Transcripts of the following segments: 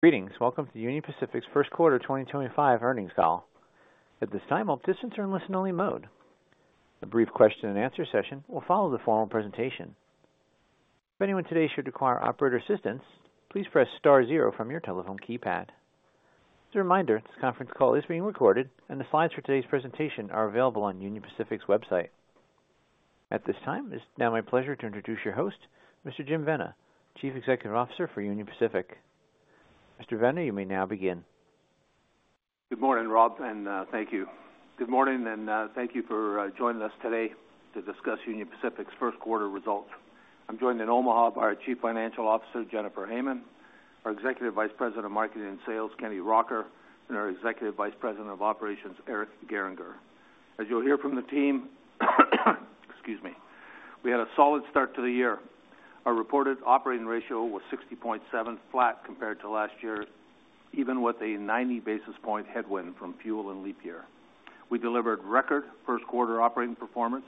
Greetings. Welcome to Union Pacific's first quarter 2025 earnings call. At this time, I'll just enter in listen-only mode. A brief question-and-answer session will follow the formal presentation. If anyone today should require operator assistance, please press star zero from your telephone keypad. As a reminder, this conference call is being recorded, and the slides for today's presentation are available on Union Pacific's website. At this time, it is now my pleasure to introduce your host, Mr. Jim Vena, Chief Executive Officer for Union Pacific. Mr. Vena, you may now begin. Good morning, Rob, and thank you. Good morning, and thank you for joining us today to discuss Union Pacific's first quarter results. I'm joined in Omaha by our Chief Financial Officer, Jennifer Hamann, our Executive Vice President of Marketing and Sales, Kenny Rocker, and our Executive Vice President of Operations, Eric Gehringer. As you'll hear from the team, we had a solid start to the year. Our reported operating ratio was 60.7, flat compared to last year, even with a 90 basis point headwind from fuel and leap year. We delivered record first quarter operating performance.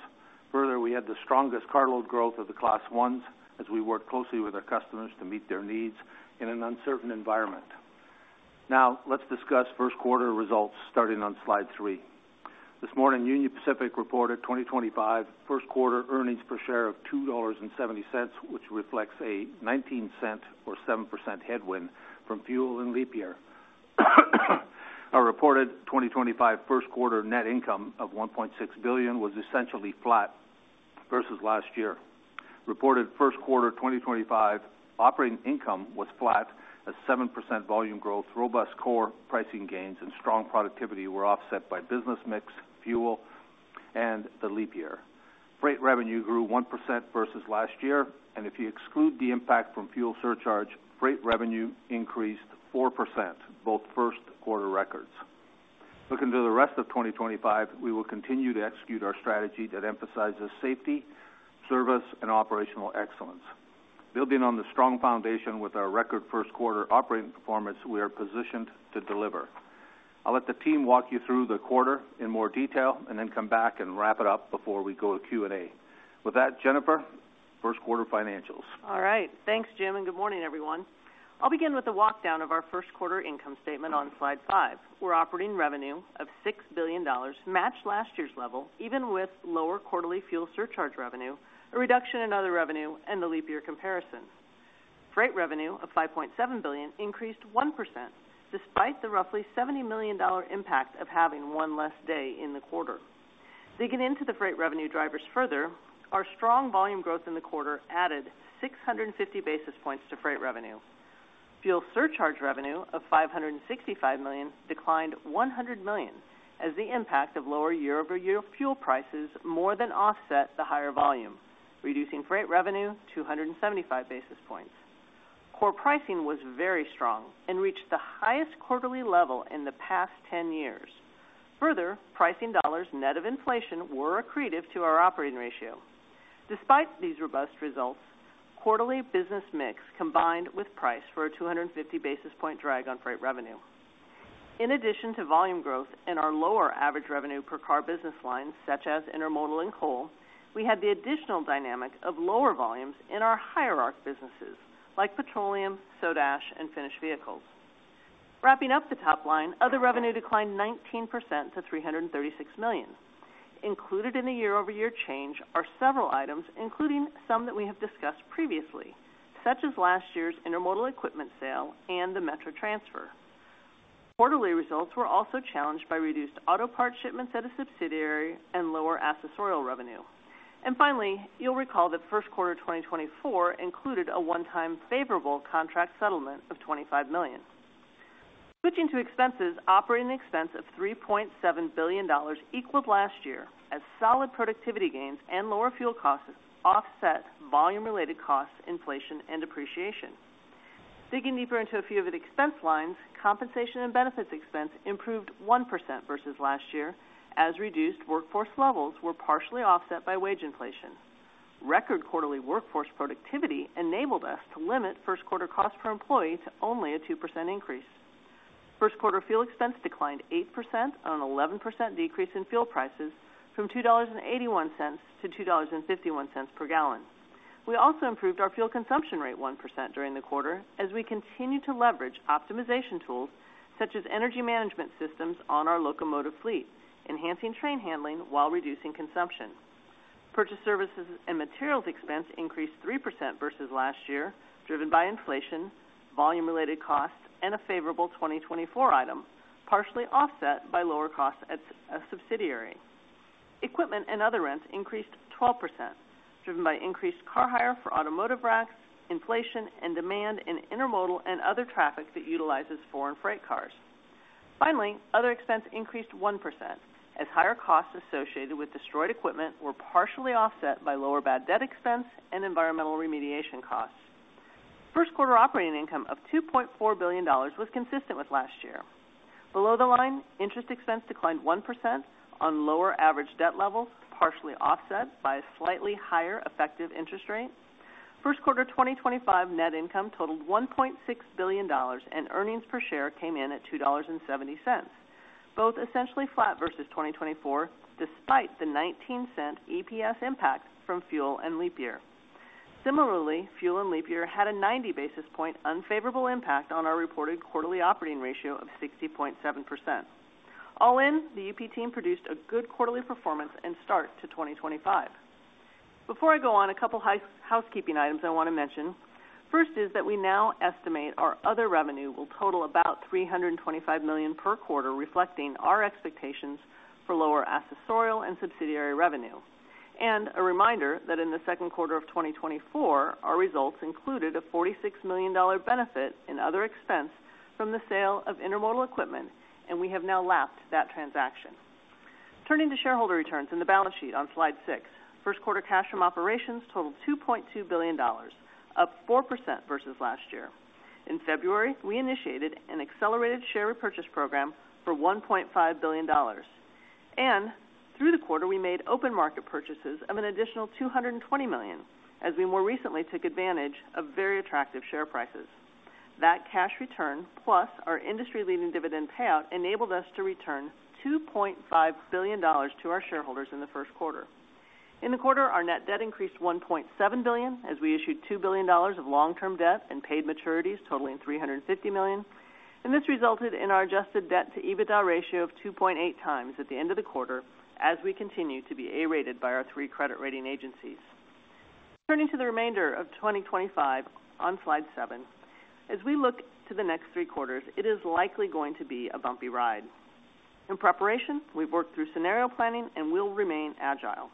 Further, we had the strongest carload growth of the class ones as we worked closely with our customers to meet their needs in an uncertain environment. Now, let's discuss first quarter results starting on slide three. This morning, Union Pacific reported 2025 first quarter earnings per share of $2.70, which reflects a $0.19 or 7% headwind from fuel and leap year. Our reported 2025 first quarter net income of $1.6 billion was essentially flat versus last year. Reported first quarter 2025 operating income was flat, as 7% volume growth, robust core pricing gains, and strong productivity were offset by business mix, fuel, and the leap year. Freight revenue grew 1% versus last year, and if you exclude the impact from fuel surcharge, freight revenue increased 4%, both first quarter records. Looking to the rest of 2025, we will continue to execute our strategy that emphasizes safety, service, and operational excellence. Building on the strong foundation with our record first quarter operating performance, we are positioned to deliver. I'll let the team walk you through the quarter in more detail and then come back and wrap it up before we go to Q&A. With that, Jennifer, first quarter financials. All right. Thanks, Jim, and good morning, everyone. I'll begin with a walkdown of our first quarter income statement on slide five. Our operating revenue of $6 billion matched last year's level, even with lower quarterly fuel surcharge revenue, a reduction in other revenue, and the leap year comparison. Freight revenue of $5.7 billion increased 1% despite the roughly $70 million impact of having one less day in the quarter. Digging into the freight revenue drivers further, our strong volume growth in the quarter added 650 basis points to freight revenue. Fuel surcharge revenue of $565 million declined $100 million as the impact of lower year-over-year fuel prices more than offset the higher volume, reducing freight revenue 275 basis points. Core pricing was very strong and reached the highest quarterly level in the past 10 years. Further, pricing dollars net of inflation were accretive to our operating ratio. Despite these robust results, quarterly business mix combined with price for a 250 basis point drag on freight revenue. In addition to volume growth in our lower average revenue per car business lines, such as intermodal and coal, we had the additional dynamic of lower volumes in our higher businesses like petroleum, soda ash, and finished vehicles. Wrapping up the top line, other revenue declined 19% to $336 million. Included in the year-over-year change are several items, including some that we have discussed previously, such as last year's intermodal equipment sale and the metro transfer. Quarterly results were also challenged by reduced auto parts shipments at a subsidiary and lower assessed oil revenue. Finally, you'll recall that first quarter 2024 included a one-time favorable contract settlement of $25 million. Switching to expenses, operating expense of $3.7 billion equaled last year as solid productivity gains and lower fuel costs offset volume-related costs, inflation, and depreciation. Digging deeper into a few of the expense lines, compensation and benefits expense improved 1% versus last year as reduced workforce levels were partially offset by wage inflation. Record quarterly workforce productivity enabled us to limit first quarter costs per employee to only a 2% increase. First quarter fuel expense declined 8% on an 11% decrease in fuel prices from $2.81 to $2.51 per gallon. We also improved our fuel consumption rate 1% during the quarter as we continue to leverage optimization tools such as energy management systems on our locomotive fleet, enhancing train handling while reducing consumption. Purchase services and materials expense increased 3% versus last year, driven by inflation, volume-related costs, and a favorable 2024 item, partially offset by lower costs at a subsidiary. Equipment and other rents increased 12%, driven by increased car hire for automotive racks, inflation, and demand in intermodal and other traffic that utilizes foreign freight cars. Finally, other expense increased 1% as higher costs associated with destroyed equipment were partially offset by lower bad debt expense and environmental remediation costs. First quarter operating income of $2.4 billion was consistent with last year. Below the line, interest expense declined 1% on lower average debt levels, partially offset by a slightly higher effective interest rate. First quarter 2025 net income totaled $1.6 billion, and earnings per share came in at $2.70, both essentially flat versus 2024 despite the $0.19 EPS impact from fuel and leap year. Similarly, fuel and leap year had a 90 basis point unfavorable impact on our reported quarterly operating ratio of 60.7%. All in, the UP team produced a good quarterly performance and start to 2025. Before I go on, a couple of housekeeping items I want to mention. First is that we now estimate our other revenue will total about $325 million per quarter, reflecting our expectations for lower assessed oil and subsidiary revenue. A reminder that in the second quarter of 2024, our results included a $46 million benefit in other expense from the sale of Intermodal Equipment, and we have now lapped that transaction. Turning to shareholder returns in the balance sheet on slide six, first quarter cash from operations totaled $2.2 billion, up 4% versus last year. In February, we initiated an accelerated share repurchase program for $1.5 billion. Through the quarter, we made open market purchases of an additional $220 million as we more recently took advantage of very attractive share prices. That cash return plus our industry-leading dividend payout enabled us to return $2.5 billion to our shareholders in the first quarter. In the quarter, our net debt increased $1.7 billion as we issued $2 billion of long-term debt and paid maturities totaling $350 million. This resulted in our adjusted debt-to-EBITDA ratio of 2.8 times at the end of the quarter as we continue to be A-rated by our three credit rating agencies. Turning to the remainder of 2025 on slide seven, as we look to the next three quarters, it is likely going to be a bumpy ride. In preparation, we've worked through scenario planning and will remain agile.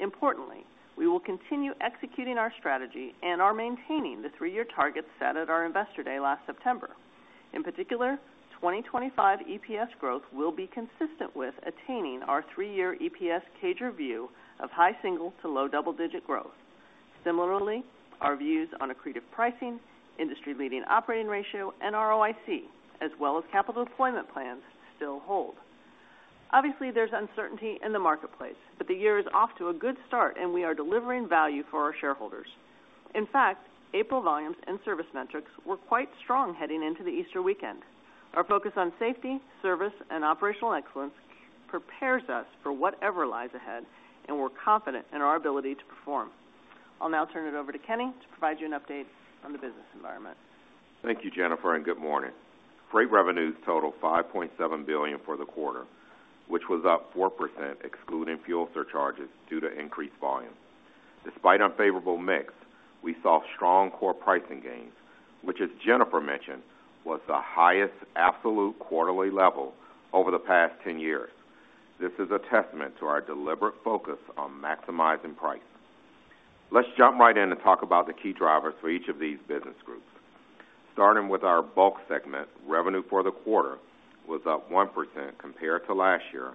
Importantly, we will continue executing our strategy and are maintaining the three-year targets set at our investor day last September. In particular, 2025 EPS growth will be consistent with attaining our three-year EPS CAGR view of high single to low double-digit growth. Similarly, our views on accretive pricing, industry-leading operating ratio, and ROIC, as well as capital deployment plans, still hold. Obviously, there is uncertainty in the marketplace, but the year is off to a good start, and we are delivering value for our shareholders. In fact, April volumes and service metrics were quite strong heading into the Easter weekend. Our focus on safety, service, and operational excellence prepares us for whatever lies ahead, and we are confident in our ability to perform. I'll now turn it over to Kenny to provide you an update on the business environment. Thank you, Jennifer, and good morning. Freight revenues totaled $5.7 billion for the quarter, which was up 4% excluding fuel surcharges due to increased volume. Despite unfavorable mix, we saw strong core pricing gains, which, as Jennifer mentioned, was the highest absolute quarterly level over the past 10 years. This is a testament to our deliberate focus on maximizing price. Let's jump right in and talk about the key drivers for each of these business groups. Starting with our bulk segment, revenue for the quarter was up 1% compared to last year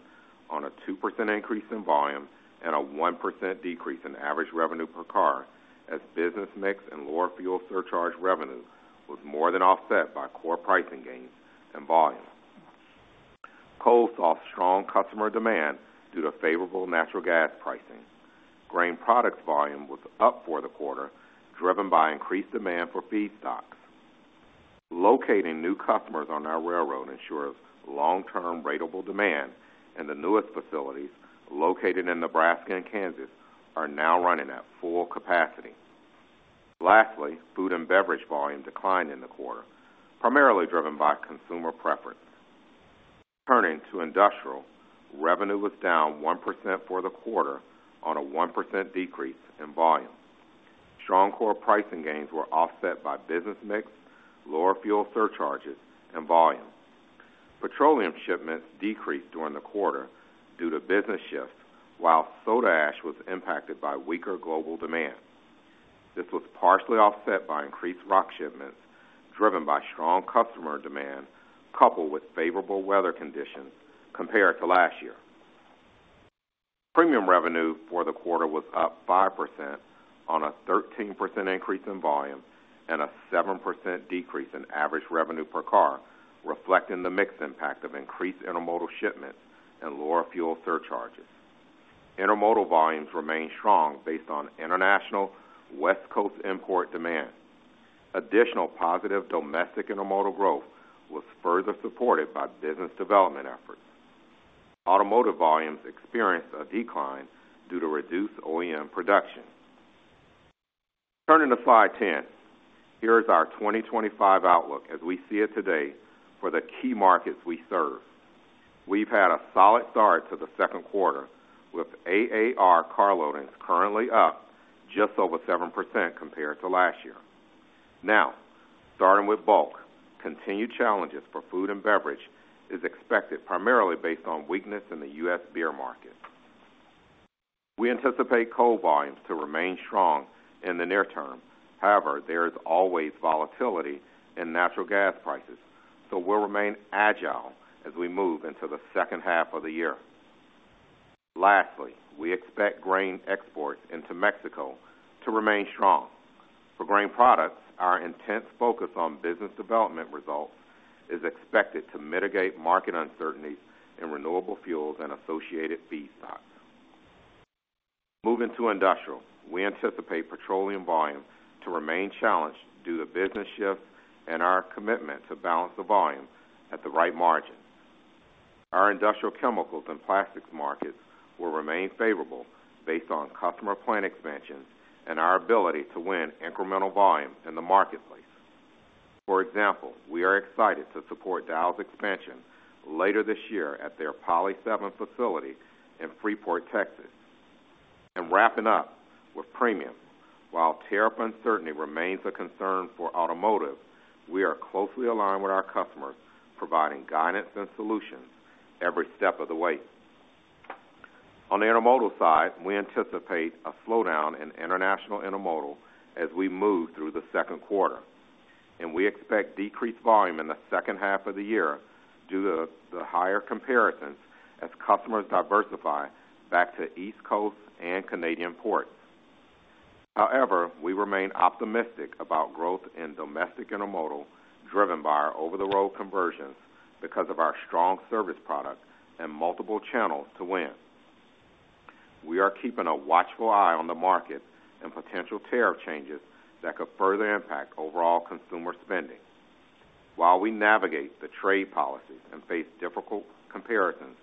on a 2% increase in volume and a 1% decrease in average revenue per car as business mix and lower fuel surcharge revenue was more than offset by core pricing gains and volume. Coal saw strong customer demand due to favorable natural gas pricing. Grain products volume was up for the quarter, driven by increased demand for feed stocks. Locating new customers on our railroad ensures long-term ratable demand, and the newest facilities located in Nebraska and Kansas are now running at full capacity. Lastly, food and beverage volume declined in the quarter, primarily driven by consumer preference. Turning to industrial, revenue was down 1% for the quarter on a 1% decrease in volume. Strong core pricing gains were offset by business mix, lower fuel surcharges, and volume. Petroleum shipments decreased during the quarter due to business shifts, while soda ash was impacted by weaker global demand. This was partially offset by increased rock shipments, driven by strong customer demand coupled with favorable weather conditions compared to last year. Premium revenue for the quarter was up 5% on a 13% increase in volume and a 7% decrease in average revenue per car, reflecting the mixed impact of increased intermodal shipments and lower fuel surcharges. Intermodal volumes remained strong based on international West Coast import demand. Additional positive domestic intermodal growth was further supported by business development efforts. Automotive volumes experienced a decline due to reduced OEM production. Turning to slide 10, here is our 2025 outlook as we see it today for the key markets we serve. We have had a solid start to the second quarter with AAR car loadings currently up just over 7% compared to last year. Now, starting with bulk, continued challenges for food and beverage are expected primarily based on weakness in the U.S. beer market. We anticipate coal volumes to remain strong in the near term. However, there is always volatility in natural gas prices, so we'll remain agile as we move into the second half of the year. Lastly, we expect grain exports into Mexico to remain strong. For grain products, our intense focus on business development results is expected to mitigate market uncertainties in renewable fuels and associated feed stocks. Moving to industrial, we anticipate petroleum volume to remain challenged due to business shifts and our commitment to balance the volume at the right margin. Our industrial chemicals and plastics markets will remain favorable based on customer plant expansion and our ability to win incremental volume in the marketplace. For example, we are excited to support Dow's expansion later this year at their Poly 7 facility in Freeport, Texas. Wrapping up with premium, while tariff uncertainty remains a concern for automotive, we are closely aligned with our customers, providing guidance and solutions every step of the way. On the intermodal side, we anticipate a slowdown in international intermodal as we move through the second quarter. We expect decreased volume in the second half of the year due to the higher comparisons as customers diversify back to East Coast and Canadian ports. However, we remain optimistic about growth in domestic intermodal driven by our over-the-road conversions because of our strong service product and multiple channels to win. We are keeping a watchful eye on the market and potential tariff changes that could further impact overall consumer spending. While we navigate the trade policies and face difficult comparisons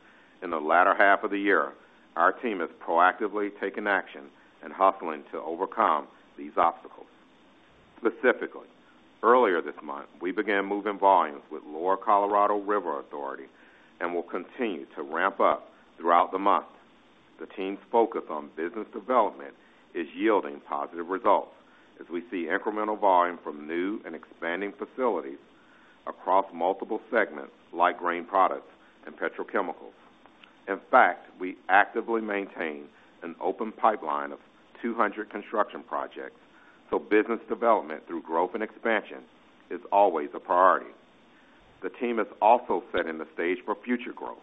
in the latter half of the year, our team is proactively taking action and hustling to overcome these obstacles. Specifically, earlier this month, we began moving volumes with Lower Colorado River Authority and will continue to ramp up throughout the month. The team's focus on business development is yielding positive results as we see incremental volume from new and expanding facilities across multiple segments like grain products and petrochemicals. In fact, we actively maintain an open pipeline of 200 construction projects, so business development through growth and expansion is always a priority. The team is also setting the stage for future growth.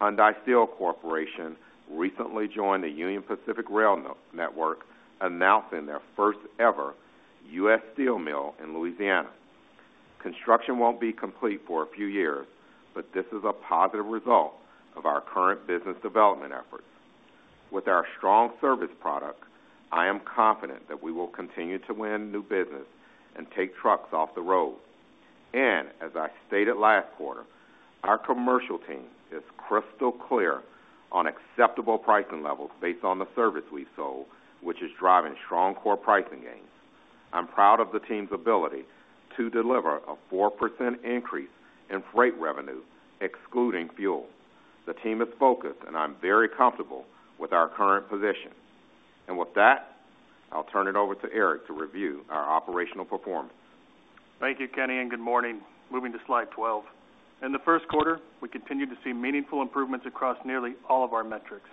Hyundai Steel Corporation recently joined the Union Pacific Rail Network, announcing their first-ever U.S. steel mill in Louisiana. Construction will not be complete for a few years, but this is a positive result of our current business development efforts. With our strong service product, I am confident that we will continue to win new business and take trucks off the road. As I stated last quarter, our commercial team is crystal clear on acceptable pricing levels based on the service we've sold, which is driving strong core pricing gains. I'm proud of the team's ability to deliver a 4% increase in freight revenue excluding fuel. The team is focused, and I'm very comfortable with our current position. With that, I'll turn it over to Eric to review our operational performance. Thank you, Kenny, and good morning. Moving to slide 12. In the first quarter, we continue to see meaningful improvements across nearly all of our metrics.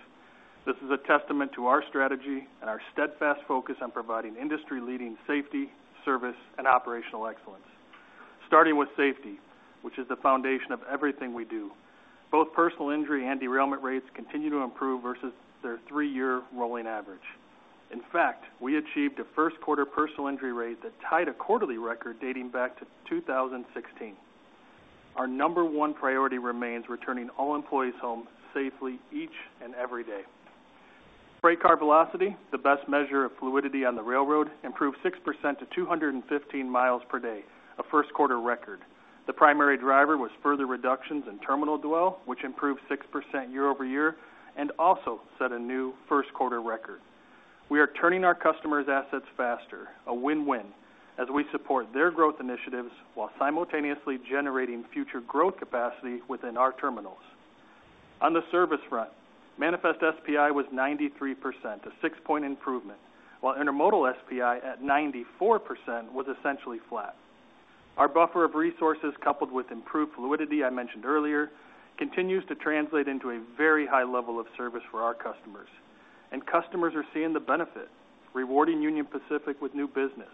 This is a testament to our strategy and our steadfast focus on providing industry-leading safety, service, and operational excellence. Starting with safety, which is the foundation of everything we do, both personal injury and derailment rates continue to improve versus their three-year rolling average. In fact, we achieved a first-quarter personal injury rate that tied a quarterly record dating back to 2016. Our number one priority remains returning all employees home safely each and every day. Freight car velocity, the best measure of fluidity on the railroad, improved 6% to 215 miles per day, a first-quarter record. The primary driver was further reductions in terminal dwell, which improved 6% year-over-year and also set a new first-quarter record. We are turning our customers' assets faster, a win-win, as we support their growth initiatives while simultaneously generating future growth capacity within our terminals. On the service front, manifest SPI was 93%, a six-point improvement, while intermodal SPI at 94% was essentially flat. Our buffer of resources, coupled with improved fluidity I mentioned earlier, continues to translate into a very high level of service for our customers. Customers are seeing the benefit, rewarding Union Pacific with new business.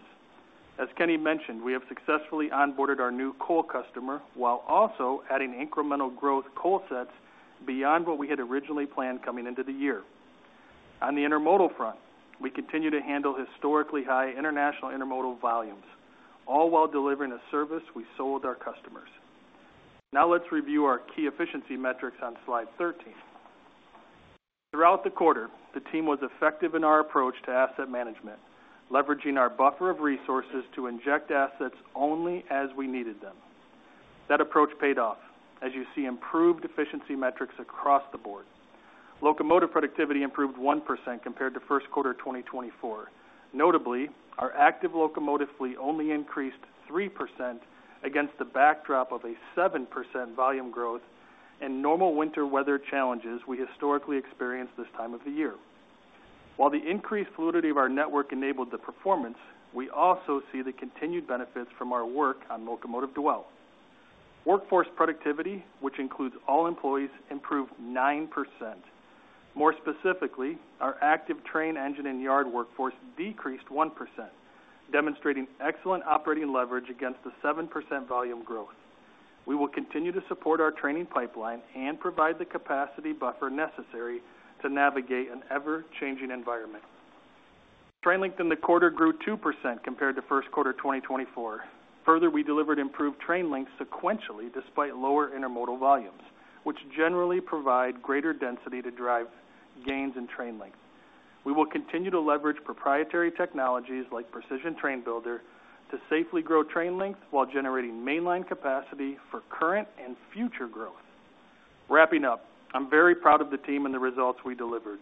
As Kenny mentioned, we have successfully onboarded our new coal customer while also adding incremental growth coal sets beyond what we had originally planned coming into the year. On the intermodal front, we continue to handle historically high international intermodal volumes, all while delivering a service we sold our customers. Now let's review our key efficiency metrics on slide 13. Throughout the quarter, the team was effective in our approach to asset management, leveraging our buffer of resources to inject assets only as we needed them. That approach paid off, as you see improved efficiency metrics across the board. Locomotive productivity improved 1% compared to first quarter 2024. Notably, our active locomotive fleet only increased 3% against the backdrop of a 7% volume growth and normal winter weather challenges we historically experienced this time of the year. While the increased fluidity of our network enabled the performance, we also see the continued benefits from our work on locomotive dwell. Workforce productivity, which includes all employees, improved 9%. More specifically, our active train, engine, and yard workforce decreased 1%, demonstrating excellent operating leverage against the 7% volume growth. We will continue to support our training pipeline and provide the capacity buffer necessary to navigate an ever-changing environment. Train length in the quarter grew 2% compared to first quarter 2024. Further, we delivered improved train length sequentially despite lower intermodal volumes, which generally provide greater density to drive gains in train length. We will continue to leverage proprietary technologies like Precision Train Builder to safely grow train length while generating mainline capacity for current and future growth. Wrapping up, I'm very proud of the team and the results we delivered.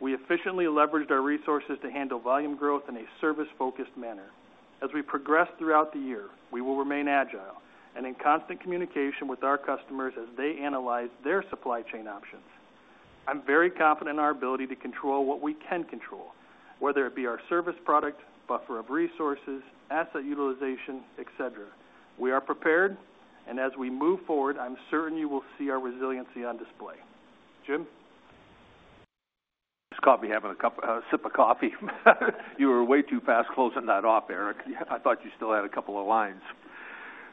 We efficiently leveraged our resources to handle volume growth in a service-focused manner. As we progress throughout the year, we will remain agile and in constant communication with our customers as they analyze their supply chain options. I'm very confident in our ability to control what we can control, whether it be our service product, buffer of resources, asset utilization, etc. We are prepared, and as we move forward, I'm certain you will see our resiliency on display. Jim? Just caught me having a sip of coffee. You were way too fast closing that off, Eric. I thought you still had a couple of lines.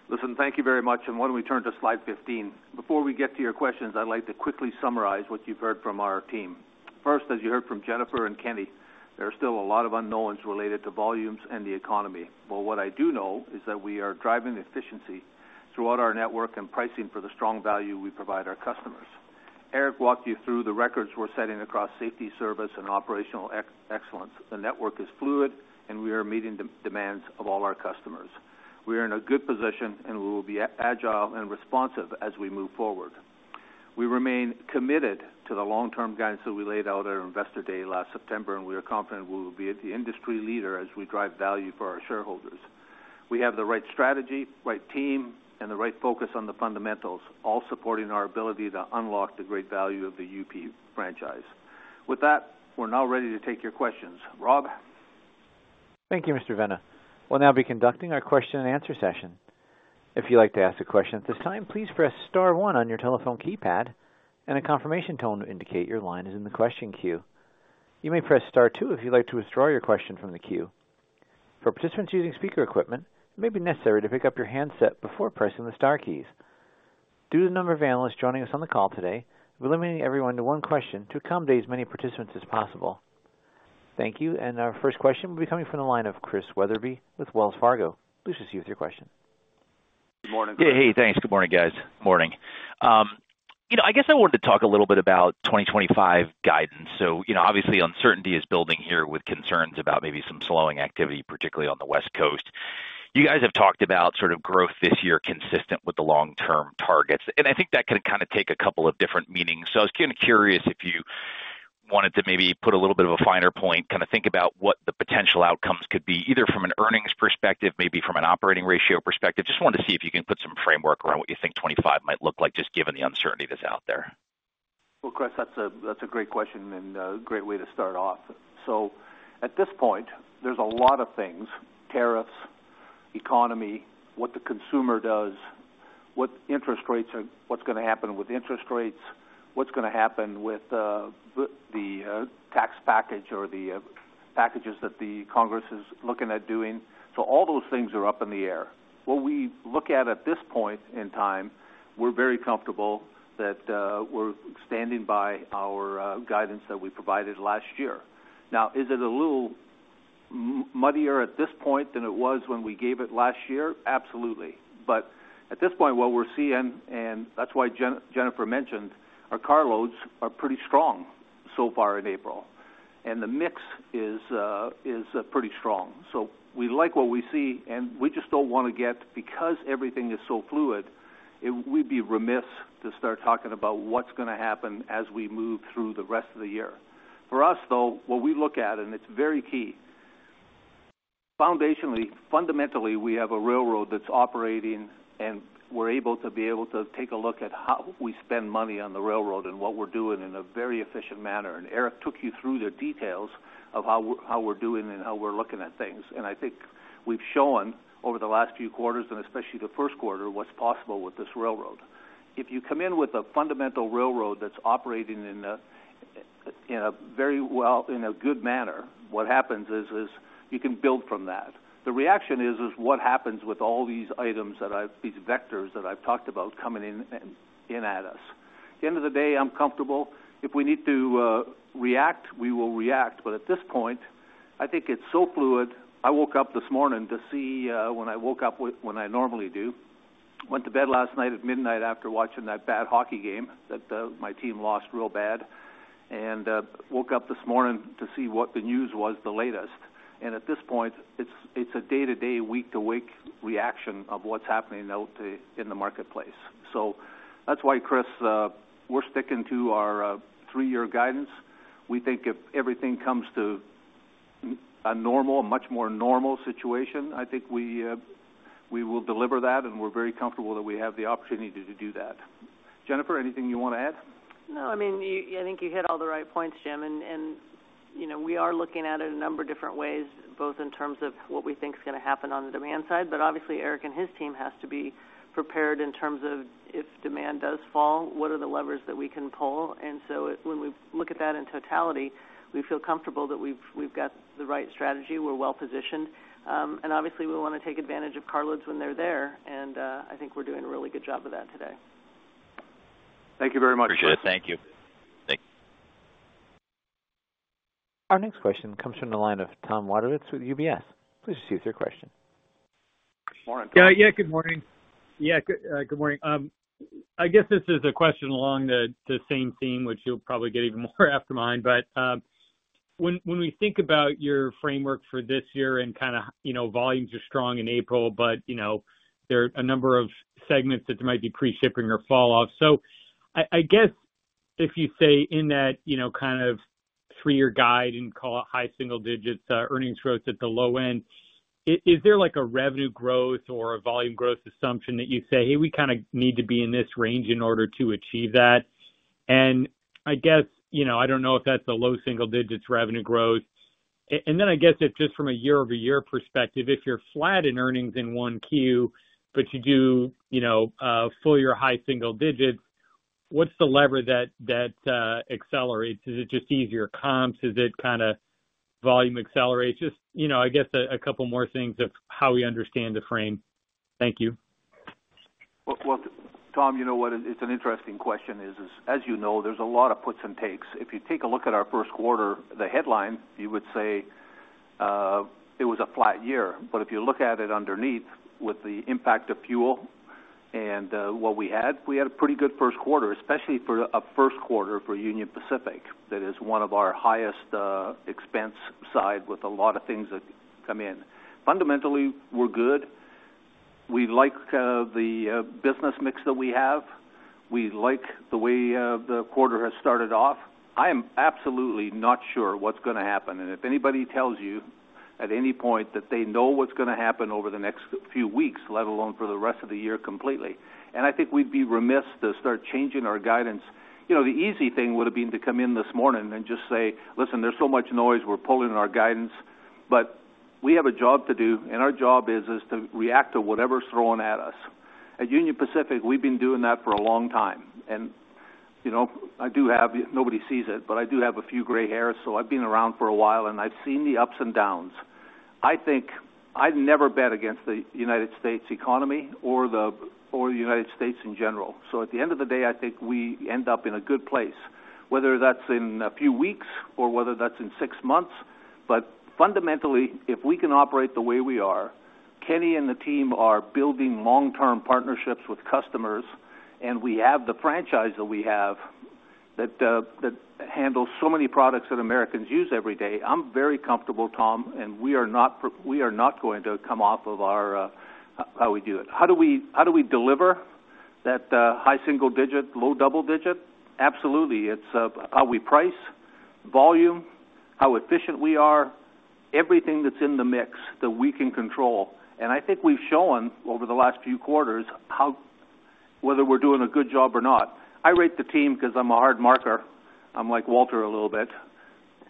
Listen, thank you very much. Why don't we turn to slide 15? Before we get to your questions, I'd like to quickly summarize what you've heard from our team. First, as you heard from Jennifer and Kenny, there are still a lot of unknowns related to volumes and the economy. What I do know is that we are driving efficiency throughout our network and pricing for the strong value we provide our customers. Eric walked you through the records we're setting across safety, service, and operational excellence. The network is fluid, and we are meeting the demands of all our customers. We are in a good position, and we will be agile and responsive as we move forward. We remain committed to the long-term guidance that we laid out at our investor day last September, and we are confident we will be the industry leader as we drive value for our shareholders. We have the right strategy, right team, and the right focus on the fundamentals, all supporting our ability to unlock the great value of the UP franchise. With that, we're now ready to take your questions. Rob? Thank you, Mr. Vena. We will now be conducting our question-and-answer session. If you would like to ask a question at this time, please press Star one on your telephone keypad, and a confirmation tone will indicate your line is in the question queue. You may press Star two if you would like to withdraw your question from the queue. For participants using speaker equipment, it may be necessary to pick up your handset before pressing the Star keys. Due to the number of analysts joining us on the call today, we are limiting everyone to one question to accommodate as many participants as possible. Thank you. Our first question will be coming from the line of Chris Wetherbee with Wells Fargo. Please proceed with your question. Good morning. Hey, hey. Thanks. Good morning, guys. Morning. I guess I wanted to talk a little bit about 2025 guidance. Obviously, uncertainty is building here with concerns about maybe some slowing activity, particularly on the West Coast. You guys have talked about sort of growth this year consistent with the long-term targets. I think that can kind of take a couple of different meanings. I was kind of curious if you wanted to maybe put a little bit of a finer point, kind of think about what the potential outcomes could be, either from an earnings perspective, maybe from an operating ratio perspective. Just wanted to see if you can put some framework around what you think 2025 might look like, just given the uncertainty that's out there. Chris, that's a great question and a great way to start off. At this point, there's a lot of things: tariffs, economy, what the consumer does, what interest rates are, what's going to happen with interest rates, what's going to happen with the tax package or the packages that the Congress is looking at doing. All those things are up in the air. What we look at at this point in time, we're very comfortable that we're standing by our guidance that we provided last year. Is it a little muddier at this point than it was when we gave it last year? Absolutely. At this point, what we're seeing, and that's why Jennifer mentioned, our car loads are pretty strong so far in April. The mix is pretty strong. We like what we see, and we just don't want to get, because everything is so fluid, we'd be remiss to start talking about what's going to happen as we move through the rest of the year. For us, though, what we look at, and it's very key, foundationally, fundamentally, we have a railroad that's operating, and we're able to be able to take a look at how we spend money on the railroad and what we're doing in a very efficient manner. Eric took you through the details of how we're doing and how we're looking at things. I think we've shown over the last few quarters, and especially the first quarter, what's possible with this railroad. If you come in with a fundamental railroad that's operating in a very good manner, what happens is you can build from that. The reaction is what happens with all these items that I've, these vectors that I've talked about coming in at us. At the end of the day, I'm comfortable. If we need to react, we will react. At this point, I think it's so fluid. I woke up this morning to see when I woke up, when I normally do, went to bed last night at midnight after watching that bad hockey game that my team lost real bad, and woke up this morning to see what the news was the latest. At this point, it's a day-to-day, week-to-week reaction of what's happening out in the marketplace. That's why, Chris, we're sticking to our three-year guidance. We think if everything comes to a normal, much more normal situation, I think we will deliver that, and we're very comfortable that we have the opportunity to do that. Jennifer, anything you want to add? No, I mean, I think you hit all the right points, Jim. We are looking at it in a number of different ways, both in terms of what we think is going to happen on the demand side. Obviously, Eric and his team have to be prepared in terms of if demand does fall, what are the levers that we can pull. When we look at that in totality, we feel comfortable that we've got the right strategy. We're well-positioned. Obviously, we want to take advantage of car loads when they're there. I think we're doing a really good job of that today. Thank you very much, Jim. Appreciate it. Thank you. Thank you. Our next question comes from the line of Tom Wadewitz with UBS. Please proceed with your question. Good morning. Yeah, good morning. Yeah, good morning. I guess this is a question along the same theme, which you'll probably get even more after mine. When we think about your framework for this year and kind of volumes are strong in April, but there are a number of segments that might be pre-shipping or fall off. I guess if you say in that kind of three-year guide and call it high single digits, earnings growth at the low end, is there a revenue growth or a volume growth assumption that you say, "Hey, we kind of need to be in this range in order to achieve that?" I guess I don't know if that's a low single digits revenue growth. I guess if just from a year-over-year perspective, if you're flat in earnings in one Q, but you do full year high single digits, what's the lever that accelerates? Is it just easier comps? Is it kind of volume accelerates? Just, I guess, a couple more things of how we understand the frame. Thank you. Tom, you know what? It's an interesting question. As you know, there's a lot of puts and takes. If you take a look at our first quarter, the headline, you would say it was a flat year. If you look at it underneath with the impact of fuel and what we had, we had a pretty good first quarter, especially for a first quarter for Union Pacific that is one of our highest expense side with a lot of things that come in. Fundamentally, we're good. We like the business mix that we have. We like the way the quarter has started off. I am absolutely not sure what's going to happen. If anybody tells you at any point that they know what's going to happen over the next few weeks, let alone for the rest of the year completely, I think we'd be remiss to start changing our guidance. The easy thing would have been to come in this morning and just say, "Listen, there's so much noise. We're pulling our guidance." We have a job to do, and our job is to react to whatever's thrown at us. At Union Pacific, we've been doing that for a long time. I do have nobody sees it, but I do have a few gray hairs. I've been around for a while, and I've seen the ups and downs. I think I'd never bet against the United States economy or the United States in general. At the end of the day, I think we end up in a good place, whether that's in a few weeks or whether that's in six months. Fundamentally, if we can operate the way we are, Kenny and the team are building long-term partnerships with customers, and we have the franchise that we have that handles so many products that Americans use every day. I'm very comfortable, Tom, and we are not going to come off of how we do it. How do we deliver that high single digit, low double digit? Absolutely. It's how we price, volume, how efficient we are, everything that's in the mix that we can control. I think we've shown over the last few quarters whether we're doing a good job or not. I rate the team because I'm a hard marker. I'm like Walter a little bit.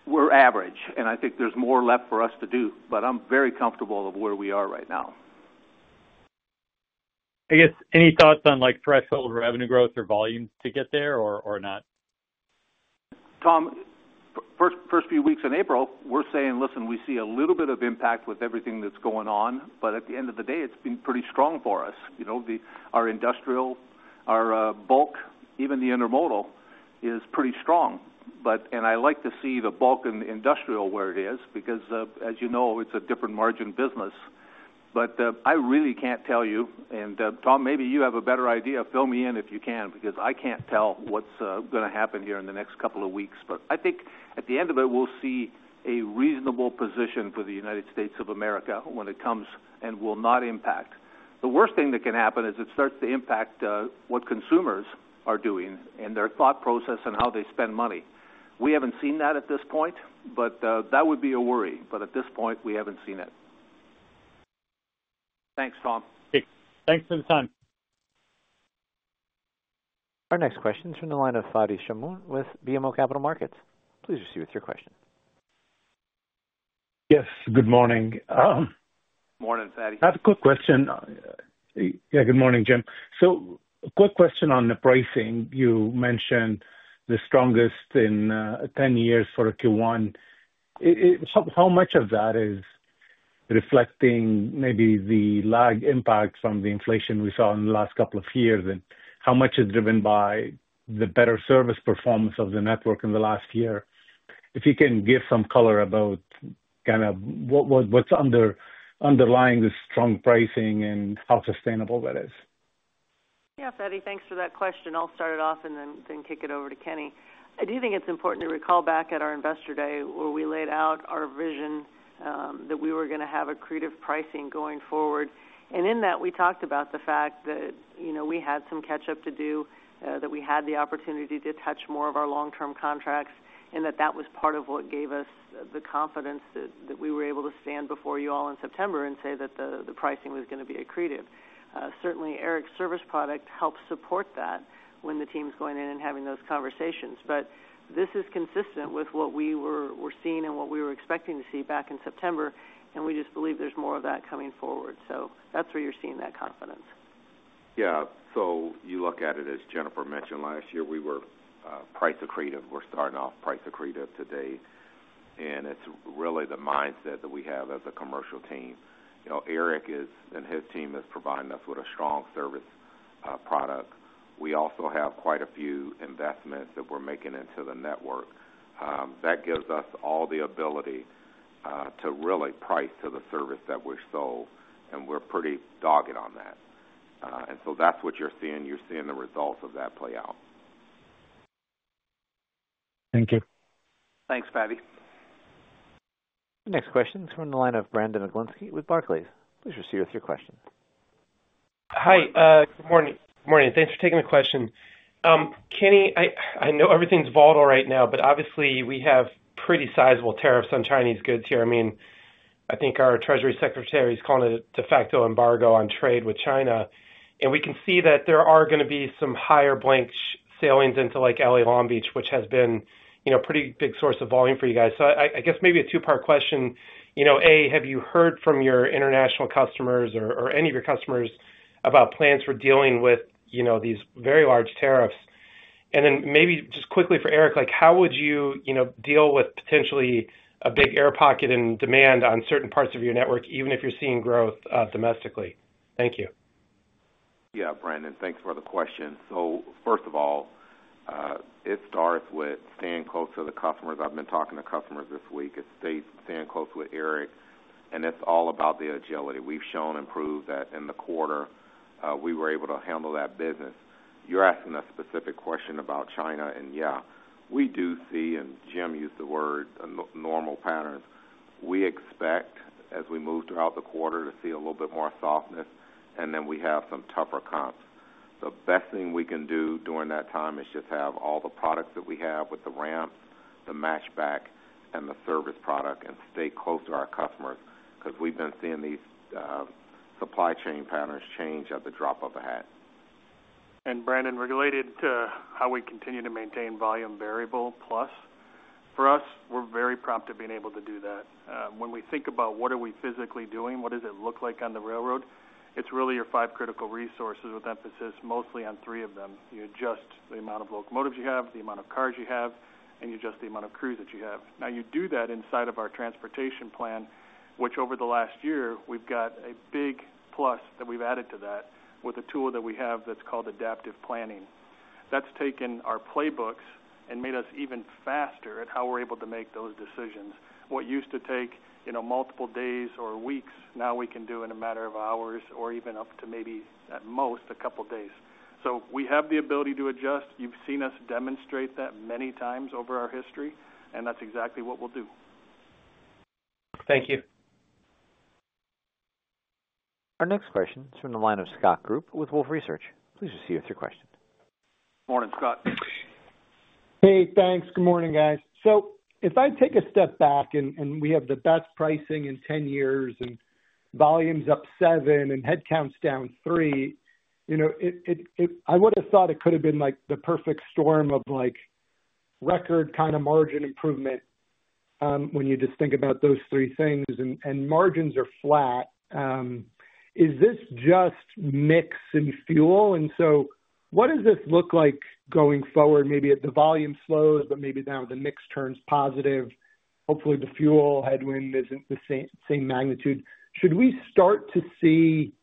We're average, and I think there's more left for us to do. I'm very comfortable of where we are right now. I guess any thoughts on threshold revenue growth or volumes to get there or not? Tom, first few weeks in April, we're saying, "Listen, we see a little bit of impact with everything that's going on." At the end of the day, it's been pretty strong for us. Our industrial, our bulk, even the intermodal is pretty strong. I like to see the bulk and the industrial where it is because, as you know, it's a different margin business. I really can't tell you. Tom, maybe you have a better idea. Fill me in if you can because I can't tell what's going to happen here in the next couple of weeks. I think at the end of it, we'll see a reasoable position for the United States of America when it comes and will not impact. The worst thing that can happen is it starts to impact what consumers are doing and their thought process and how they spend money. We have not seen that at this point, that would be a worry. At this point, we have not seen it. Thanks, Tom. Thanks for the time. Our next question is from the line of Fadi Chamoun with BMO Capital Markets. Please proceed with your question. Yes. Good morning. Morning, Fadi. I have a quick question. Yeah, good morning, Jim. A quick question on the pricing. You mentioned the strongest in 10 years for Q1. How much of that is reflecting maybe the lagged impact from the inflation we saw in the last couple of years? How much is driven by the better service performance of the network in the last year? If you can give some color about kind of what's underlying the strong pricing and how sustainable that is. Yeah, Fadi, thanks for that question. I'll start it off and then kick it over to Kenny. I do think it's important to recall back at our investor day where we laid out our vision that we were going to have a creative pricing going forward. In that, we talked about the fact that we had some catch-up to do, that we had the opportunity to touch more of our long-term contracts, and that that was part of what gave us the confidence that we were able to stand before you all in September and say that the pricing was going to be a creative. Certainly, Eric's service product helps support that when the team's going in and having those conversations. This is consistent with what we were seeing and what we were expecting to see back in September. We just believe there's more of that coming forward. That is where you're seeing that confidence. Yeah. You look at it as Jennifer mentioned last year, we were price accretive. We're starting off price accretive today. It is really the mindset that we have as a commercial team. Eric and his team are providing us with a strong service product. We also have quite a few investments that we're making into the network. That gives us all the ability to really price to the service that we're sold. We're pretty dogged on that. That is what you're seeing. You're seeing the results of that play out. Thank you. Thanks, Fadi. Next question is from the line of Brandon Oglenski with Barclays. Please proceed with your question. Hi. Good morning. Thanks for taking the question. Kenny, I know everything's volatile right now, but obviously, we have pretty sizable tariffs on Chinese goods here. I mean, I think our Treasury Secretary is calling it a de facto embargo on trade with China. I mean, we can see that there are going to be some higher blank sailings into LA Long Beach, which has been a pretty big source of volume for you guys. I guess maybe a two-part question. A, have you heard from your international customers or any of your customers about plans for dealing with these very large tariffs? And then maybe just quickly for Eric, how would you deal with potentially a big air pocket in demand on certain parts of your network, even if you're seeing growth domestically? Thank you. Yeah, Brandon, thanks for the question. First of all, it starts with staying close to the customers. I've been talking to customers this week. It's staying close with Eric. It's all about the agility. We've shown and proved that in the quarter, we were able to handle that business. You're asking a specific question about China. Yeah, we do see, and Jim used the word normal patterns. We expect, as we move throughout the quarter, to see a little bit more softness, and then we have some tougher comps. The best thing we can do during that time is just have all the products that we have with the ramp, the matchback, and the service product and stay close to our customers because we've been seeing these supply chain patterns change at the drop of a hat. Brandon, related to how we continue to maintain volume variable plus, for us, we're very proud to be able to do that. When we think about what are we physically doing, what does it look like on the railroad, it's really your five critical resources with emphasis mostly on three of them. You adjust the amount of locomotives you have, the amount of cars you have, and you adjust the amount of crews that you have. Now, you do that inside of our transportation plan, which over the last year, we've got a big plus that we've added to that with a tool that we have that's called adaptive planning. That's taken our playbooks and made us even faster at how we're able to make those decisions. What used to take multiple days or weeks, now we can do in a matter of hours or even up to maybe at most a couple of days. We have the ability to adjust. You've seen us demonstrate that many times over our history, and that's exactly what we'll do. Thank you. Our next question is from the line of Scott Group with Wolfe Research. Please proceed with your question. Morning, Scott. Hey, thanks. Good morning, guys. If I take a step back and we have the best pricing in 10 years and volumes up 7% and headcounts down 3%, I would have thought it could have been the perfect storm of record kind of margin improvement when you just think about those three things. Margins are flat. Is this just mix and fuel? What does this look like going forward? Maybe the volume slows, but maybe now the mix turns positive. Hopefully, the fuel headwind is not the same magnitude. Should we start to see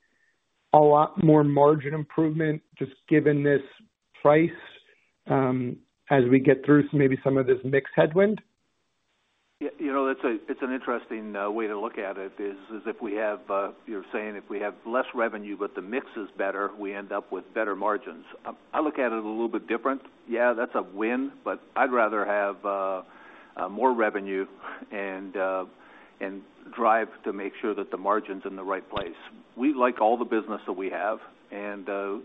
a lot more margin improvement just given this price as we get through maybe some of this mix headwind? You know, an interesting way to look at it is if we have, you're saying if we have less revenue, but the mix is better, we end up with better margins. I look at it a little bit different. Yeah, that's a win, but I'd rather have more revenue and drive to make sure that the margin's in the right place. We like all the business that we have. The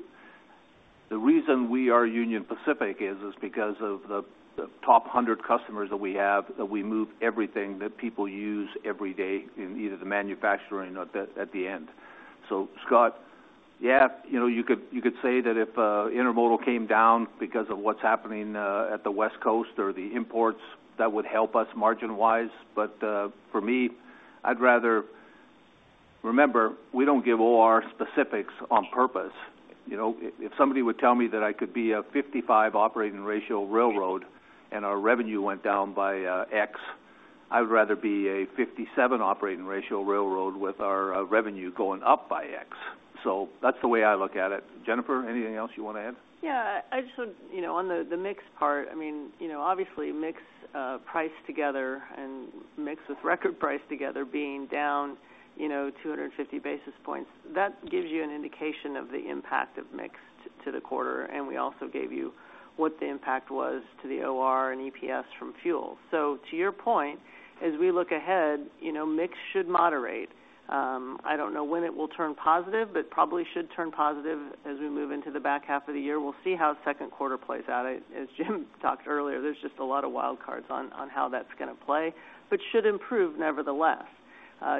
reason we are Union Pacific is because of the top 100 customers that we have that we move everything that people use every day in either the manufacturing or at the end. Scott, yeah, you could say that if intermodal came down because of what's happening at the West Coast or the imports, that would help us margin-wise. For me, I'd rather remember we don't give all our specifics on purpose. If somebody would tell me that I could be a 55 operating ratio railroad and our revenue went down by X, I would rather be a 57 operating ratio railroad with our revenue going up by X. That is the way I look at it. Jennifer, anything else you want to add? Yeah. I just want to, on the mix part, I mean, obviously, mix price together and mix with record price together being down 250 basis points, that gives you an indication of the impact of mix to the quarter. We also gave you what the impact was to the OR and EPS from fuel. To your point, as we look ahead, mix should moderate. I do not know when it will turn positive, but probably should turn positive as we move into the back half of the year. We will see how second quarter plays out. As Jim talked earlier, there is just a lot of wild cards on how that is going to play, but should improve nevertheless.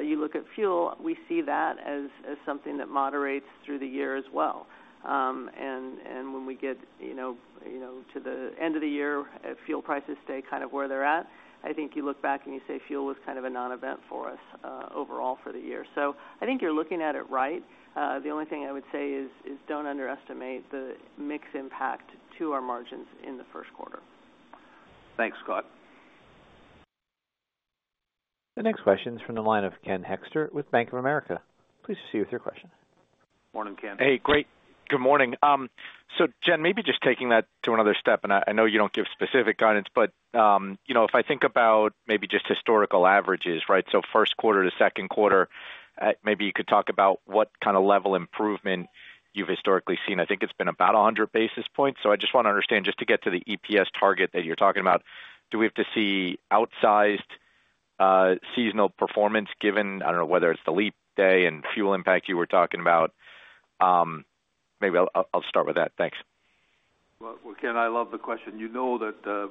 You look at fuel, we see that as something that moderates through the year as well. When we get to the end of the year, if fuel prices stay kind of where they're at, I think you look back and you say fuel was kind of a non-event for us overall for the year. I think you're looking at it right. The only thing I would say is don't underestimate the mix impact to our margins in the first quarter. Thanks, Scott. The next question is from the line of Ken Hoexter with Bank of America. Please proceed with your question. Morning, Ken. Hey, great. Good morning. Jen, maybe just taking that to another step, and I know you don't give specific guidance, but if I think about maybe just historical averages, right, first quarter to second quarter, maybe you could talk about what kind of level improvement you've historically seen. I think it's been about 100 basis points. I just want to understand just to get to the EPS target that you're talking about, do we have to see outsized seasonal performance given, I don't know, whether it's the leap day and fuel impact you were talking about? Maybe I'll start with that. Thanks. Ken, I love the question. You know that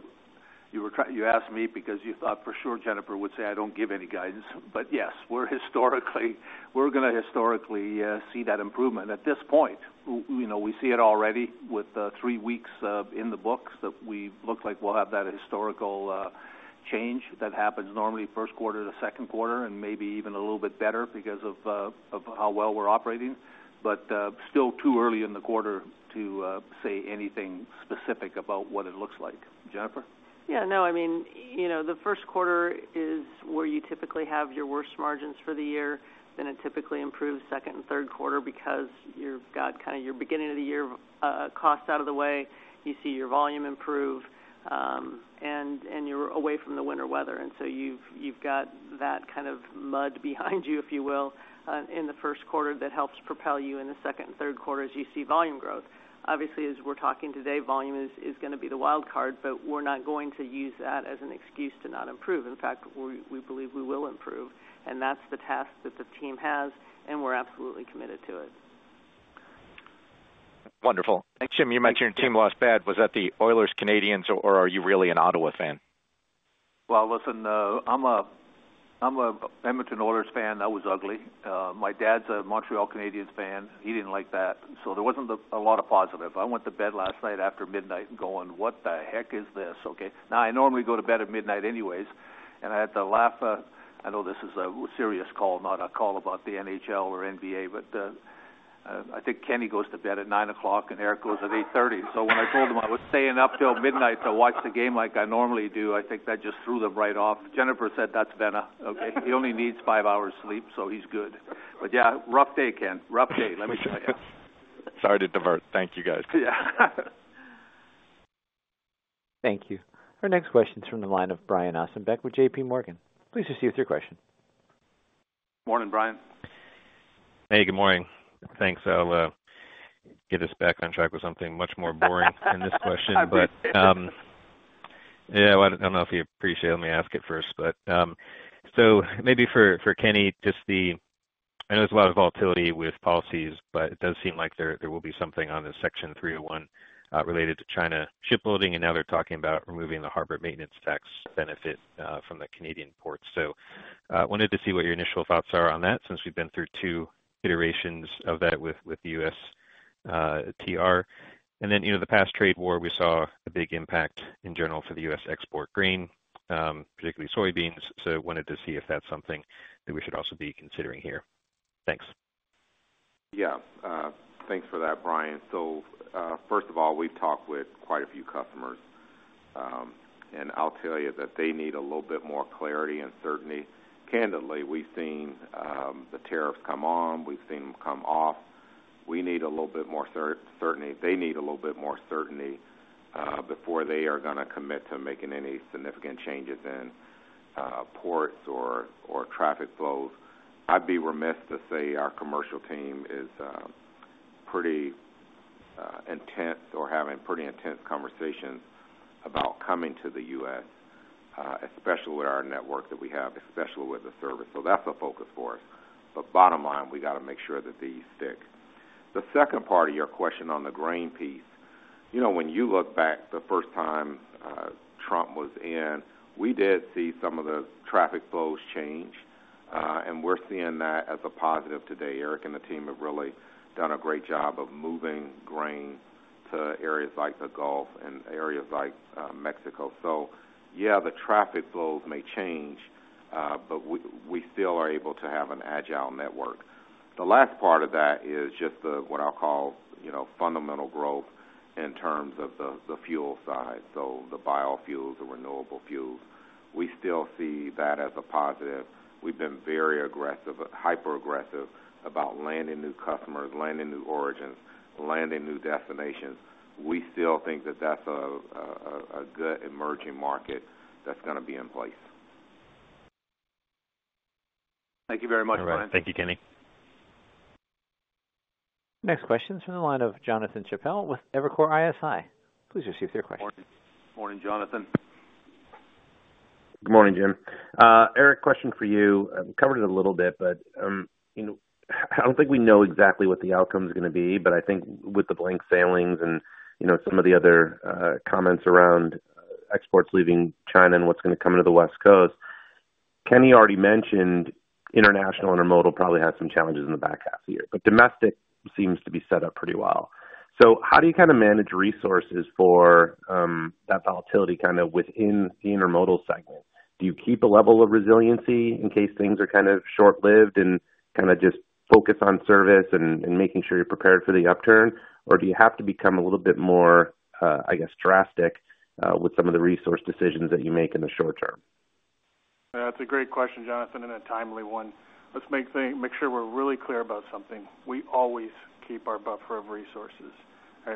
you asked me because you thought for sure Jennifer would say, "I don't give any guidance." Yes, we're historically, we're going to historically see that improvement at this point. We see it already with three weeks in the books that we look like we'll have that historical change that happens normally first quarter to second quarter and maybe even a little bit better because of how well we're operating. Still too early in the quarter to say anything specific about what it looks like. Jennifer? Yeah. No, I mean, the first quarter is where you typically have your worst margins for the year. Then it typically improves second and third quarter because you've got kind of your beginning of the year costs out of the way. You see your volume improve, and you're away from the winter weather. You have that kind of mud behind you, if you will, in the first quarter that helps propel you in the second and third quarter as you see volume growth. Obviously, as we're talking today, volume is going to be the wild card, but we're not going to use that as an excuse to not improve. In fact, we believe we will improve. That is the task that the team has, and we're absolutely committed to it. Wonderful. Jim, you mentioned Team Lost Bad. Was that the Oilers-Canadians, or are you really an Ottawa fan? I'm an Edmonton Oilers fan. That was ugly. My dad's a Montreal Canadiens fan. He didn't like that. There wasn't a lot of positive. I went to bed last night after midnight going, "What the heck is this?" I normally go to bed at midnight anyways, and I had to laugh. I know this is a serious call, not a call about the NHL or NBA, but I think Kenny goes to bed at 9:00 P.M., and Eric goes at 8:30 P.M. When I told him I was staying up till midnight to watch the game like I normally do, I think that just threw them right off. Jennifer said that's Vena. He only needs five hours' sleep, so he's good. Rough day, Ken. Rough day. Let me tell you. Sorry to divert. Thank you, guys. Yeah. Thank you. Our next question is from the line of Brian Ossenbeck with JPMorgan. Please proceed with your question. Morning, Brian. Hey, good morning. Thanks. I'll get us back on track with something much more boring than this question, but yeah, I don't know if he appreciates it. Let me ask it first. Maybe for Kenny, just the I know there's a lot of volatility with policies, but it does seem like there will be something on the Section 301 related to China shipbuilding. Now they're talking about removing the harbor maintenance tax benefit from the Canadian ports. Wanted to see what your initial thoughts are on that since we've been through two iterations of that with the U.S. TR. In the past trade war, we saw a big impact in general for the U.S. export grain, particularly soybeans. Wanted to see if that's something that we should also be considering here. Thanks. Yeah. Thanks for that, Brian. First of all, we've talked with quite a few customers, and I'll tell you that they need a little bit more clarity and certainty. Candidly, we've seen the tariffs come on. We've seen them come off. We need a little bit more certainty. They need a little bit more certainty before they are going to commit to making any significant changes in ports or traffic flows. I'd be remiss to say our commercial team is pretty intense or having pretty intense conversations about coming to the U.S., especially with our network that we have, especially with the service. That's a focus for us. Bottom line, we got to make sure that these stick. The second part of your question on the grain piece, when you look back the first time Trump was in, we did see some of the traffic flows change, and we're seeing that as a positive today. Eric and the team have really done a great job of moving grain to areas like the Gulf and areas like Mexico. Yeah, the traffic flows may change, but we still are able to have an agile network. The last part of that is just what I'll call fundamental growth in terms of the fuel side. The biofuels, the renewable fuels, we still see that as a positive. We've been very aggressive, hyper-aggressive about landing new customers, landing new origins, landing new destinations. We still think that that's a good emerging market that's going to be in place. Thank you very much, Brian. Thank you, Kenny. Next question is from the line of Jonathan Chappell with Evercore ISI. Please proceed with your question. Morning, Jonathan. Good morning, Jim. Eric, question for you. I covered it a little bit, but I do not think we know exactly what the outcome is going to be, but I think with the blank sailings and some of the other comments around exports leaving China and what is going to come to the West Coast, Kenny already mentioned international intermodal probably has some challenges in the back half of the year, but domestic seems to be set up pretty well. How do you kind of manage resources for that volatility kind of within the intermodal segment? Do you keep a level of resiliency in case things are kind of short-lived and just focus on service and making sure you are prepared for the upturn, or do you have to become a little bit more, I guess, drastic with some of the resource decisions that you make in the short term? That's a great question, Jonathan, and a timely one. Let's make sure we're really clear about something. We always keep our buffer of resources.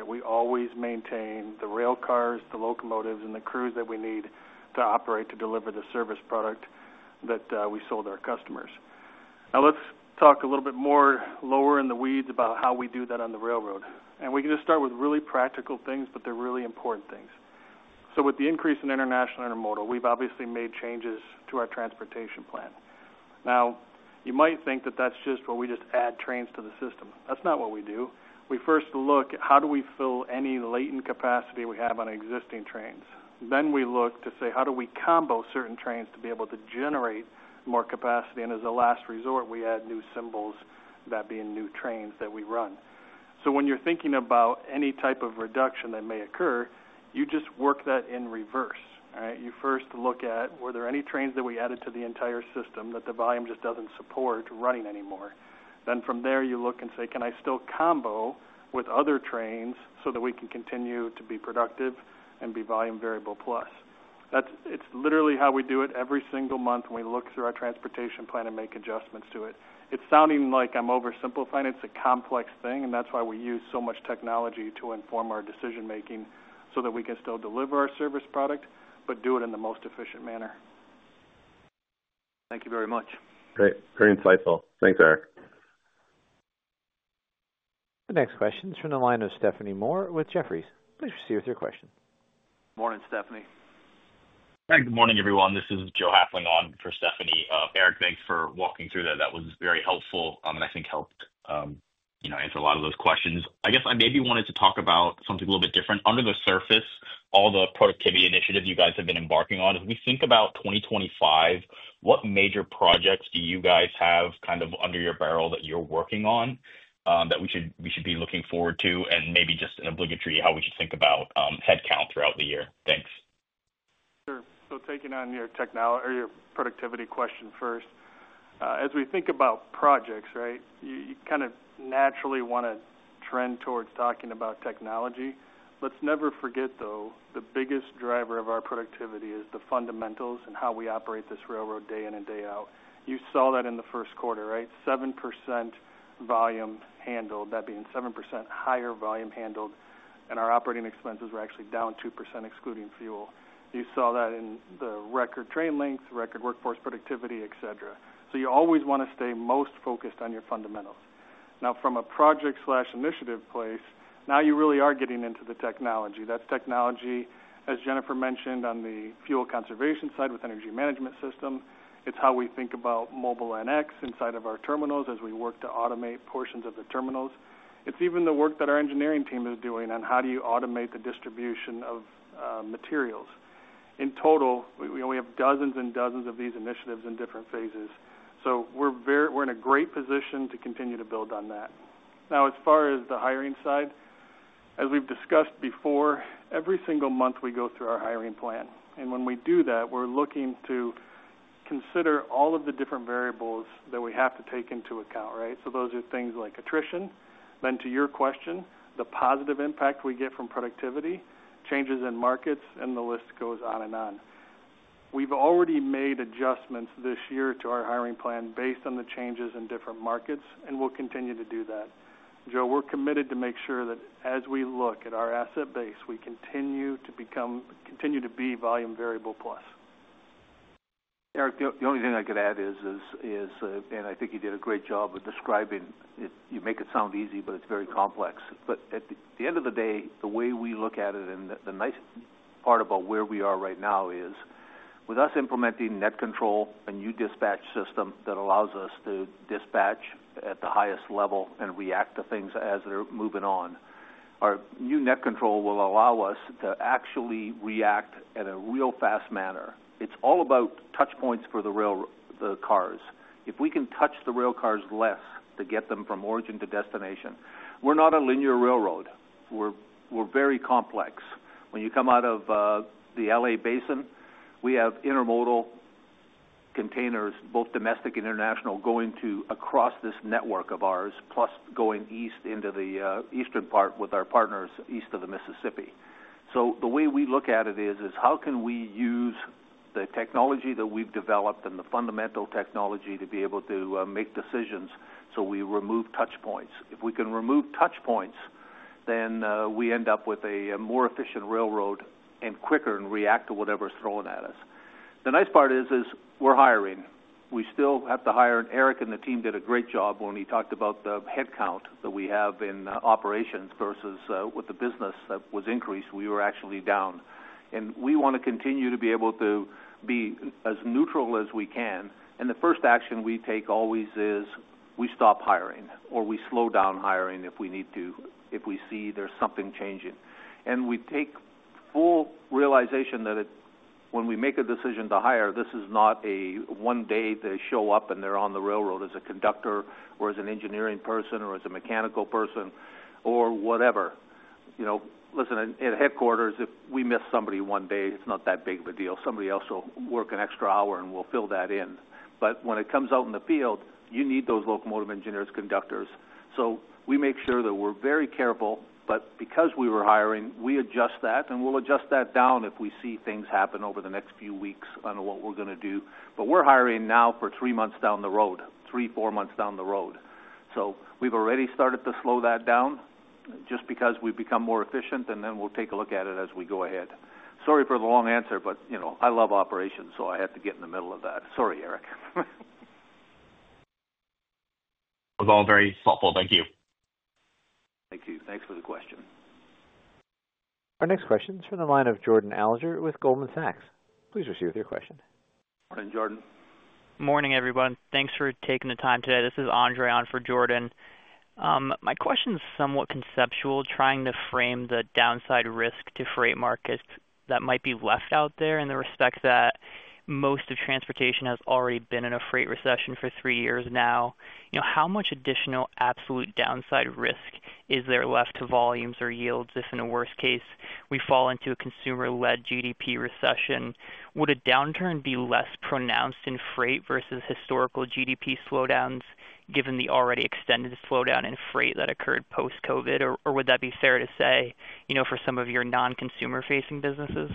We always maintain the railcars, the locomotives, and the crews that we need to operate to deliver the service product that we sold our customers. Now, let's talk a little bit more lower in the weeds about how we do that on the railroad. We can just start with really practical things, but they're really important things. With the increase in international intermodal, we've obviously made changes to our transportation plan. Now, you might think that that's just where we just add trains to the system. That's not what we do. We first look at how do we fill any latent capacity we have on existing trains. We look to say, how do we combo certain trains to be able to generate more capacity? As a last resort, we add new symbols, that being new trains that we run. When you're thinking about any type of reduction that may occur, you just work that in reverse. You first look at, were there any trains that we added to the entire system that the volume just doesn't support running anymore? From there, you look and say, can I still combo with other trains so that we can continue to be productive and be volume variable plus? It's literally how we do it every single month when we look through our transportation plan and make adjustments to it. It's sounding like I'm oversimplifying. It's a complex thing, and that's why we use so much technology to inform our decision-making so that we can still deliver our service product, but do it in the most efficient manner. Thank you very much. Great. Very insightful. Thanks, Eric. The next question is from the line of Stephanie Moore with Jefferies. Please proceed with your question. Morning, Stephanie. Hi, good morning, everyone. This is Joe Hafling on for Stephanie. Eric, thanks for walking through that. That was very helpful, and I think helped answer a lot of those questions. I guess I maybe wanted to talk about something a little bit different. Under the surface, all the productivity initiatives you guys have been embarking on, if we think about 2025, what major projects do you guys have kind of under your barrel that you're working on that we should be looking forward to and maybe just an obligatory how we should think about headcount throughout the year? Thanks. Sure. Taking on your productivity question first, as we think about projects, right, you kind of naturally want to trend towards talking about technology. Let's never forget, though, the biggest driver of our productivity is the fundamentals and how we operate this railroad day in and day out. You saw that in the first quarter, right? 7% volume handled, that being 7% higher volume handled, and our operating expenses were actually down 2% excluding fuel. You saw that in the record train length, record workforce productivity, etc. You always want to stay most focused on your fundamentals. Now, from a project/initiative place, now you really are getting into the technology. That's technology, as Jennifer mentioned, on the fuel conservation side with energy management system. It's how we think about mobile NX inside of our terminals as we work to automate portions of the terminals. It's even the work that our engineering team is doing on how do you automate the distribution of materials. In total, we have dozens and dozens of these initiatives in different phases. We are in a great position to continue to build on that. Now, as far as the hiring side, as we've discussed before, every single month we go through our hiring plan. When we do that, we're looking to consider all of the different variables that we have to take into account, right? Those are things like attrition. To your question, the positive impact we get from productivity, changes in markets, and the list goes on and on. We've already made adjustments this year to our hiring plan based on the changes in different markets, and we'll continue to do that. Joe, we're committed to make sure that as we look at our asset base, we continue to be volume variable plus. Eric, the only thing I could add is, and I think you did a great job of describing it. You make it sound easy, but it is very complex. At the end of the day, the way we look at it and the nice part about where we are right now is with us implementing Netcontrol and new dispatch system that allows us to dispatch at the highest level and react to things as they are moving on. Our new Netcontrol will allow us to actually react in a real fast manner. It is all about touch points for the cars. If we can touch the railcars less to get them from origin to destination, we are not a linear railroad. We are very complex. When you come out of the LA Basin, we have intermodal containers, both domestic and international, going across this network of ours, plus going east into the eastern part with our partners east of the Mississippi. The way we look at it is, how can we use the technology that we've developed and the fundamental technology to be able to make decisions so we remove touch points? If we can remove touch points, then we end up with a more efficient railroad and quicker and react to whatever's thrown at us. The nice part is, we're hiring. We still have to hire, and Eric and the team did a great job when he talked about the headcount that we have in operations versus with the business that was increased. We were actually down. We want to continue to be able to be as neutral as we can. The first action we take always is we stop hiring or we slow down hiring if we need to, if we see there's something changing. We take full realization that when we make a decision to hire, this is not a one day they show up and they're on the railroad as a conductor or as an engineering person or as a mechanical person or whatever. Listen, at headquarters, if we miss somebody one day, it's not that big of a deal. Somebody else will work an extra hour and we'll fill that in. When it comes out in the field, you need those locomotive engineers, conductors. We make sure that we're very careful, but because we were hiring, we adjust that, and we'll adjust that down if we see things happen over the next few weeks on what we're going to do. We are hiring now for three months down the road, three, four months down the road. We have already started to slow that down just because we have become more efficient, and then we will take a look at it as we go ahead. Sorry for the long answer, but I love operations, so I had to get in the middle of that. Sorry, Eric. That was all very helpful. Thank you. Thank you. Thanks for the question. Our next question is from the line of Jordan Alger with Goldman Sachs. Please proceed with your question. Morning, Jordan. Morning, everyone. Thanks for taking the time today. This is Andre on for Jordan. My question is somewhat conceptual, trying to frame the downside risk to freight markets that might be left out there in the respect that most of transportation has already been in a freight recession for three years now. How much additional absolute downside risk is there left to volumes or yields if, in a worst case, we fall into a consumer-led GDP recession? Would a downturn be less pronounced in freight versus historical GDP slowdowns given the already extended slowdown in freight that occurred post-COVID? Or would that be fair to say for some of your non-consumer-facing businesses?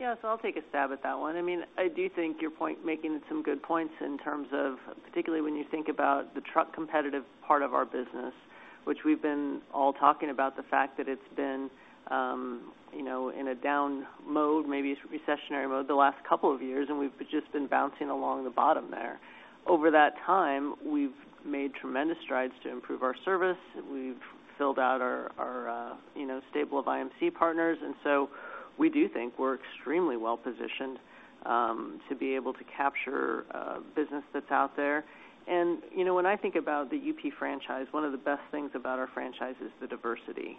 Yeah, I'll take a stab at that one. I mean, I do think your point, making some good points in terms of, particularly when you think about the truck competitive part of our business, which we've been all talking about the fact that it's been in a down mode, maybe recessionary mode the last couple of years, and we've just been bouncing along the bottom there. Over that time, we've made tremendous strides to improve our service. We've filled out our stable of IMC partners. I do think we're extremely well-positioned to be able to capture business that's out there. When I think about the UP franchise, one of the best things about our franchise is the diversity.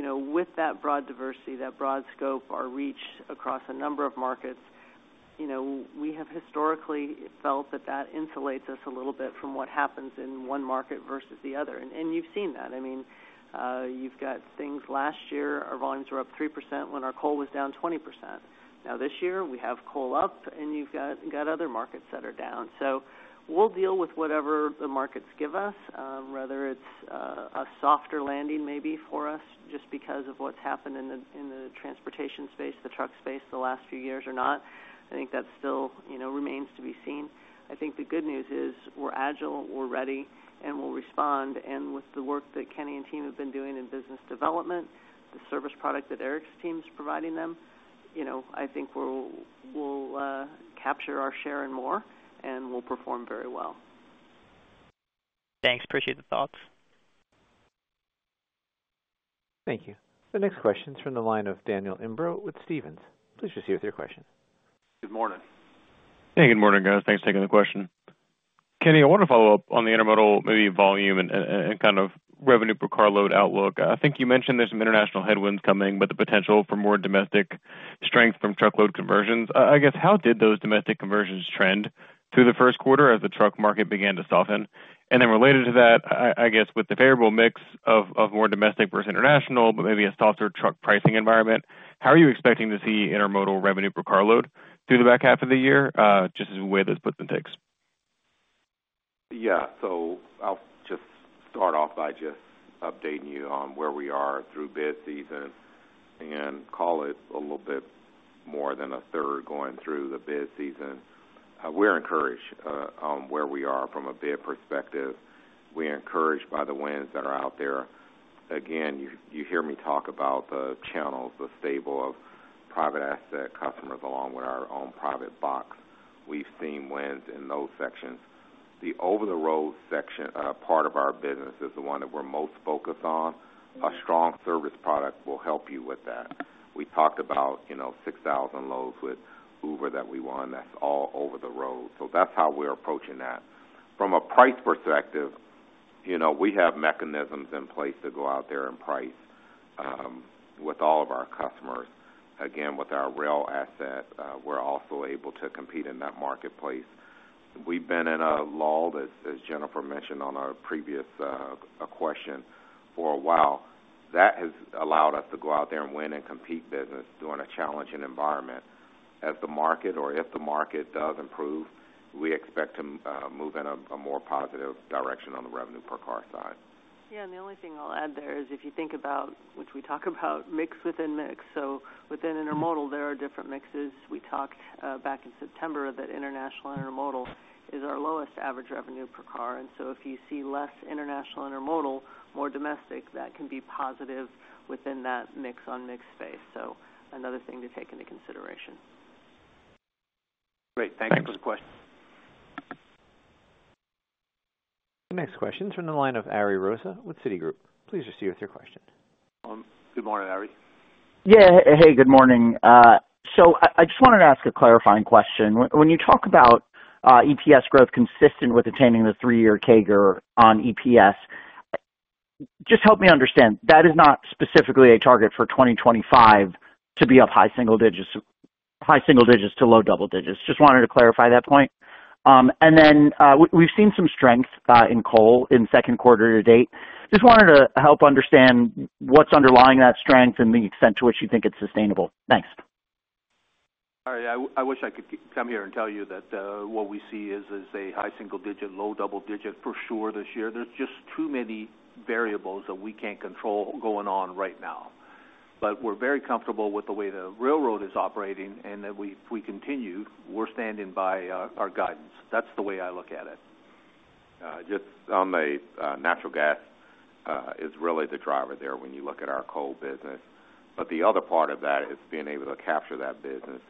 With that broad diversity, that broad scope, our reach across a number of markets, we have historically felt that that insulates us a little bit from what happens in one market versus the other. You've seen that. I mean, you've got things last year, our volumes were up 3% when our coal was down 20%. Now this year, we have coal up, and you've got other markets that are down. We'll deal with whatever the markets give us, whether it's a softer landing maybe for us just because of what's happened in the transportation space, the truck space the last few years or not. I think that still remains to be seen. I think the good news is we're agile, we're ready, and we'll respond. With the work that Kenny and team have been doing in business development, the service product that Eric's team is providing them, I think we'll capture our share and more, and we'll perform very well. Thanks. Appreciate the thoughts. Thank you. The next question is from the line of Daniel Imbro with Stephens. Please proceed with your question. Good morning. Hey, good morning, guys. Thanks for taking the question. Kenny, I want to follow up on the intermodal, maybe volume and kind of revenue per carload outlook. I think you mentioned there's some international headwinds coming, but the potential for more domestic strength from truckload conversions. I guess, how did those domestic conversions trend through the first quarter as the truck market began to soften? Related to that, I guess, with the favorable mix of more domestic versus international, but maybe a softer truck pricing environment, how are you expecting to see intermodal revenue per carload through the back half of the year, just the way that it's puts and takes? Yeah. I'll just start off by updating you on where we are through bid season and call it a little bit more than a third going through the bid season. We're encouraged on where we are from a bid perspective. We're encouraged by the wins that are out there. Again, you hear me talk about the channels, the stable of private asset customers along with our own private box. We've seen wins in those sections. The over-the-road section, part of our business is the one that we're most focused on. A strong service product will help you with that. We talked about 6,000 loads with Uber that we won. That's all over the road. That's how we're approaching that. From a price perspective, we have mechanisms in place to go out there and price with all of our customers. Again, with our rail asset, we're also able to compete in that marketplace. We've been in a lull, as Jennifer mentioned on our previous question, for a while. That has allowed us to go out there and win and compete business during a challenging environment. As the market or if the market does improve, we expect to move in a more positive direction on the revenue per car side. Yeah. The only thing I'll add there is if you think about, which we talk about, mix within mix. Within intermodal, there are different mixes. We talked back in September that international intermodal is our lowest average revenue per car. If you see less international intermodal, more domestic, that can be positive within that mix-on-mix space. Another thing to take into consideration. Great. Thank you for the question. The next question is from the line of Ari Rosa with Citigroup. Please proceed with your question. Good morning, Ari. Yeah. Hey, good morning. I just wanted to ask a clarifying question. When you talk about EPS growth consistent with attaining the three-year CAGR on EPS, just help me understand. That is not specifically a target for 2025 to be up high single digits to low double digits. I just wanted to clarify that point. We have seen some strength in coal in second quarter to date. I just wanted to help understand what is underlying that strength and the extent to which you think it is sustainable. Thanks. All right. I wish I could come here and tell you that what we see is a high single digit, low double digit for sure this year. There are just too many variables that we cannot control going on right now. We are very comfortable with the way the railroad is operating, and if we continue, we are standing by our guidance. That is the way I look at it. Just on the natural gas, it is really the driver there when you look at our coal business. The other part of that is being able to capture that business.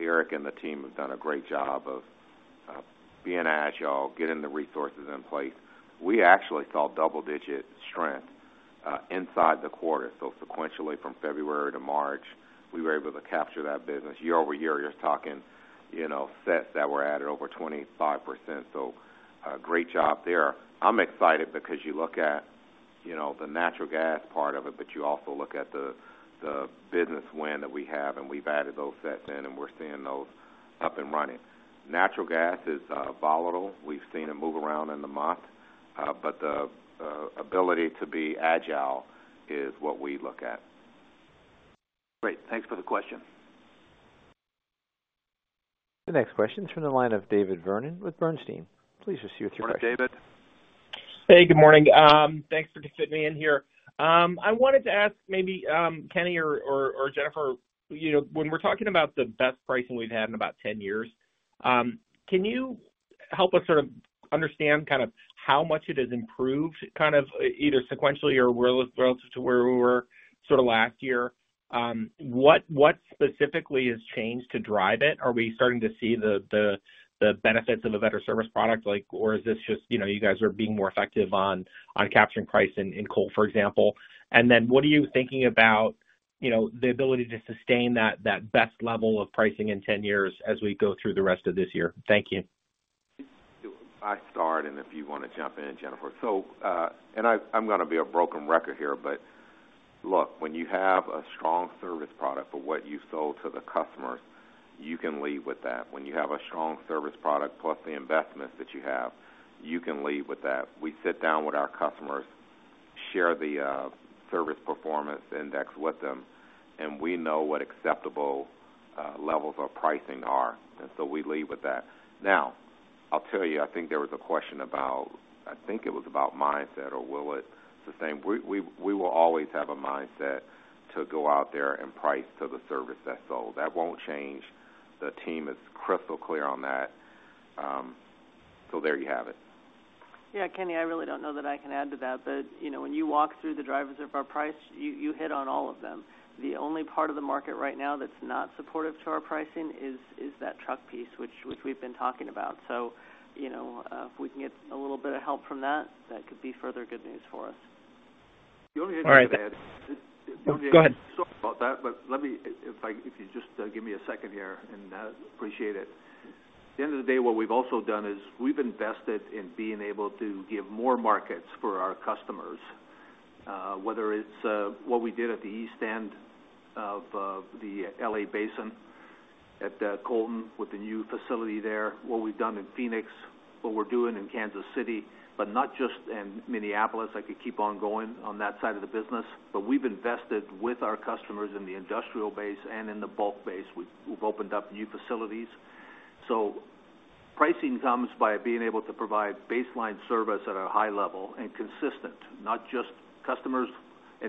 Eric and the team have done a great job of being agile, getting the resources in place. We actually saw double-digit strength inside the quarter. Sequentially from February to March, we were able to capture that business year-over-year. you are talking sets that were added over 25%. Great job there. I'm excited because you look at the natural gas part of it, but you also look at the business win that we have, and we've added those sets in, and we're seeing those up and running. Natural gas is volatile. We've seen it move around in the month, but the ability to be agile is what we look at. Great. Thanks for the question. The next question is from the line of David Vernon with Bernstein. Please proceed with your question. All right, David. Hey, good morning. Thanks for fitting me in here. I wanted to ask maybe Kenny or Jennifer, when we're talking about the best pricing we've had in about 10 years, can you help us sort of understand kind of how much it has improved kind of either sequentially or relative to where we were sort of last year? What specifically has changed to drive it? Are we starting to see the benefits of a better service product, or is this just you guys are being more effective on capturing price in coal, for example? What are you thinking about the ability to sustain that best level of pricing in 10 years as we go through the rest of this year? Thank you. I'll start, and if you want to jump in, Jennifer. I'm going to be a broken record here, but look, when you have a strong service product for what you sold to the customers, you can lead with that. When you have a strong service product plus the investments that you have, you can lead with that. We sit down with our customers, share the Service Performance Index with them, and we know what acceptable levels of pricing are. We lead with that. I think there was a question about, I think it was about mindset or will it sustain. We will always have a mindset to go out there and price to the service that's sold. That won't change. The team is crystal clear on that. There you have it. Yeah. Kenny, I really don't know that I can add to that, but when you walk through the drivers of our price, you hit on all of them. The only part of the market right now that's not supportive to our pricing is that truck piece, which we've been talking about. If we can get a little bit of help from that, that could be further good news for us. The only thing I had. Go ahead. Sorry about that, but let me, if you just give me a second here, and I appreciate it. At the end of the day, what we've also done is we've invested in being able to give more markets for our customers, whether it's what we did at the east end of the LA Basin at Colton with the new facility there, what we've done in Phoenix, what we're doing in Kansas City, but not just in Minneapolis. I could keep on going on that side of the business, but we've invested with our customers in the industrial base and in the bulk base. We've opened up new facilities. Pricing comes by being able to provide baseline service at a high level and consistent, not just customers.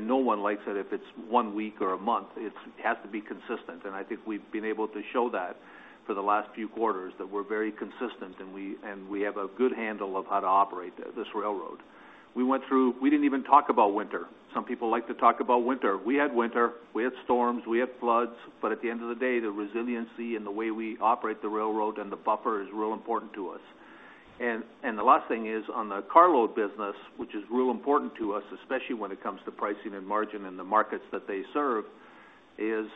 No one likes it if it's one week or a month. It has to be consistent. I think we've been able to show that for the last few quarters that we're very consistent, and we have a good handle of how to operate this railroad. We went through, we didn't even talk about winter. Some people like to talk about winter. We had winter. We had storms. We had floods. At the end of the day, the resiliency and the way we operate the railroad and the buffer is real important to us. The last thing is on the carload business, which is real important to us, especially when it comes to pricing and margin and the markets that they serve, is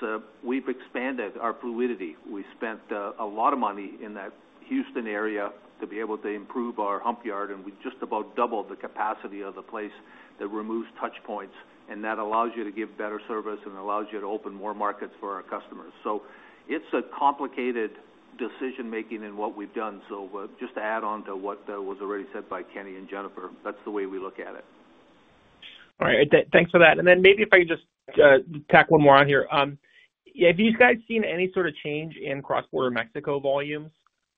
we've expanded our fluidity. We spent a lot of money in that Houston area to be able to improve our hump yard, and we just about doubled the capacity of the place that removes touch points. That allows you to give better service and allows you to open more markets for our customers. It is a complicated decision-making in what we have done. Just to add on to what was already said by Kenny and Jennifer, that is the way we look at it. All right. Thanks for that. Maybe if I could just tack one more on here. Have you guys seen any sort of change in cross-border Mexico volumes,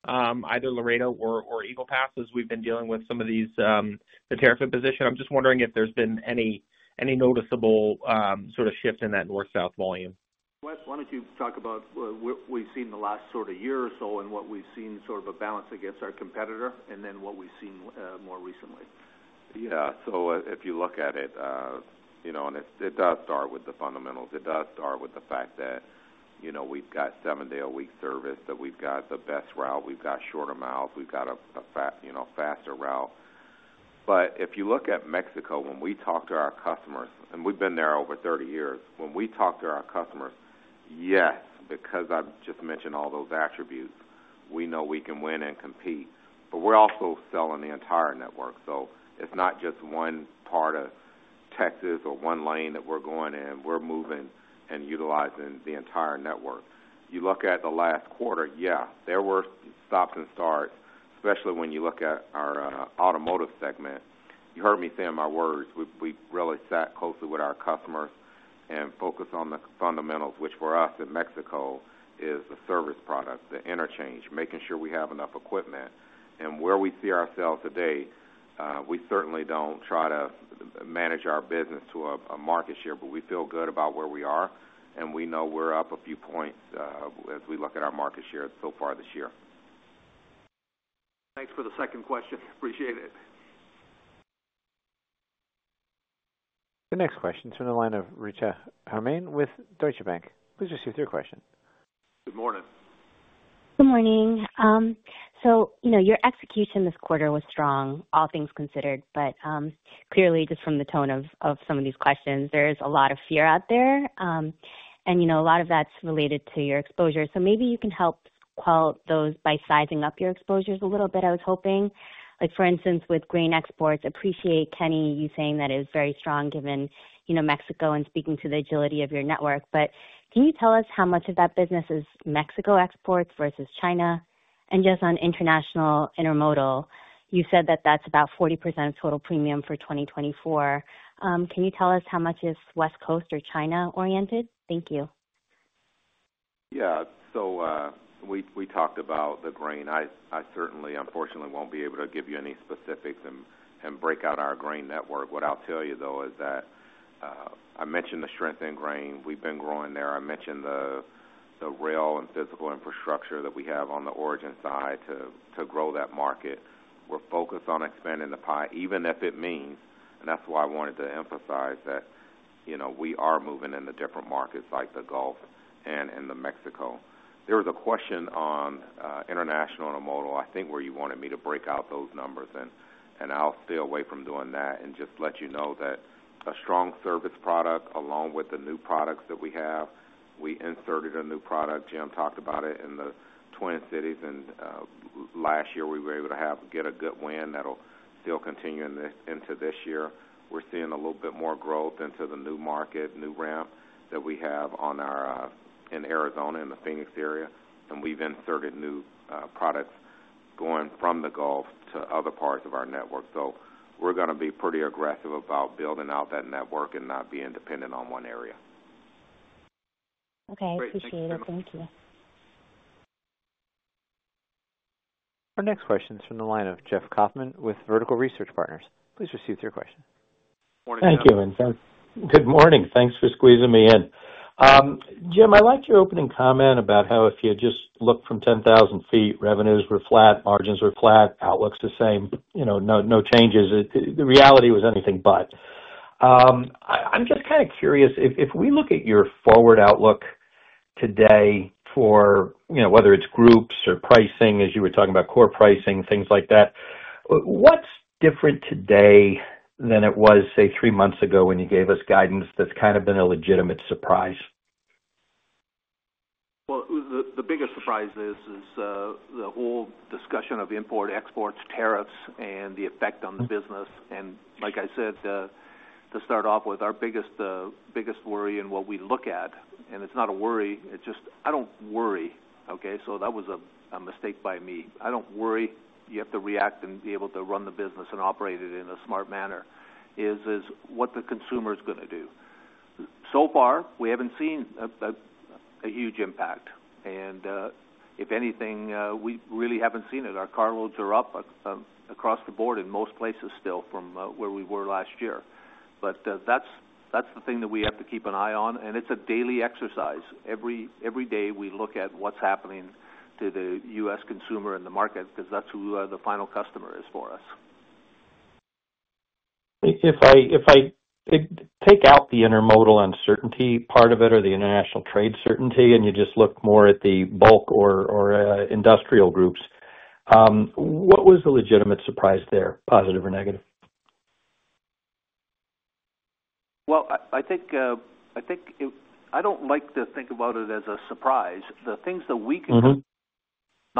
either Laredo or Eagle Pass as we've been dealing with some of the tariff imposition? I'm just wondering if there's been any noticeable sort of shift in that north-south volume. Why don't you talk about what we've seen the last sort of year or so and what we've seen sort of a balance against our competitor and then what we've seen more recently? Yeah. If you look at it, it does start with the fundamentals. It does start with the fact that we've got seven-day-a-week service, that we've got the best route, we've got shorter miles, we've got a faster route. If you look at Mexico, when we talk to our customers, and we've been there over 30 years, when we talk to our customers, yes, because I've just mentioned all those attributes, we know we can win and compete. We're also selling the entire network. It's not just one part of Texas or one lane that we're going in. We're moving and utilizing the entire network. You look at the last quarter, yeah, there were stops and starts, especially when you look at our automotive segment. You heard me say in my words, we really sat closely with our customers and focused on the fundamentals, which for us in Mexico is the service product, the interchange, making sure we have enough equipment. Where we see ourselves today, we certainly do not try to manage our business to a market share, but we feel good about where we are, and we know we are up a few points as we look at our market share so far this year. Thanks for the second question. Appreciate it. The next question is from the line of Rachel Hermann with Deutsche Bank. Please proceed with your question. Good morning. Good morning. Your execution this quarter was strong, all things considered, but clearly, just from the tone of some of these questions, there is a lot of fear out there. A lot of that is related to your exposure. Maybe you can help quell those by sizing up your exposures a little bit, I was hoping. For instance, with grain exports, appreciate, Kenny, you saying that it is very strong given Mexico and speaking to the agility of your network. Can you tell us how much of that business is Mexico exports versus China? Just on international intermodal, you said that is about 40% of total premium for 2024. Can you tell us how much is West Coast or China-oriented? Thank you. Yeah. We talked about the grain. I certainly, unfortunately, won't be able to give you any specifics and break out our grain network. What I'll tell you, though, is that I mentioned the strength in grain. We've been growing there. I mentioned the rail and physical infrastructure that we have on the origin side to grow that market. We're focused on expanding the pie, even if it means, and that's why I wanted to emphasize that we are moving into different markets like the Gulf and in Mexico. There was a question on international intermodal, I think, where you wanted me to break out those numbers. I'll stay away from doing that and just let you know that a strong service product along with the new products that we have, we inserted a new product. Jim talked about it in the Twin Cities. Last year, we were able to get a good win. That'll still continue into this year. We're seeing a little bit more growth into the new market, new ramp that we have in Arizona in the Phoenix area. We've inserted new products going from the Gulf to other parts of our network. We're going to be pretty aggressive about building out that network and not being dependent on one area. Okay. Appreciate it. Thank you. Our next question is from the line of Jeff Kauffman with Vertical Research Partners. Please proceed with your question. Good morning, Jim. Good morning. Thanks for squeezing me in. Jim, I liked your opening comment about how if you just look from 10,000 feet, revenues were flat, margins were flat, outlook's the same, no changes. The reality was anything but. I'm just kind of curious, if we look at your forward outlook today for whether it's groups or pricing, as you were talking about core pricing, things like that, what's different today than it was, say, three months ago when you gave us guidance that's kind of been a legitimate surprise? The biggest surprise is the whole discussion of import-exports, tariffs, and the effect on the business. Like I said, to start off with, our biggest worry and what we look at, and it's not a worry, it's just I don't worry, okay? That was a mistake by me. I don't worry. You have to react and be able to run the business and operate it in a smart manner, is what the consumer is going to do. So far, we haven't seen a huge impact. If anything, we really haven't seen it. Our carloads are up across the board in most places still from where we were last year. That is the thing that we have to keep an eye on. It is a daily exercise. Every day, we look at what's happening to the U.S. consumer and the market because that's who the final customer is for us. If I take out the intermodal uncertainty part of it or the international trade certainty and you just look more at the bulk or industrial groups, what was the legitimate surprise there, positive or negative? I think I don't like to think about it as a surprise. The things that we can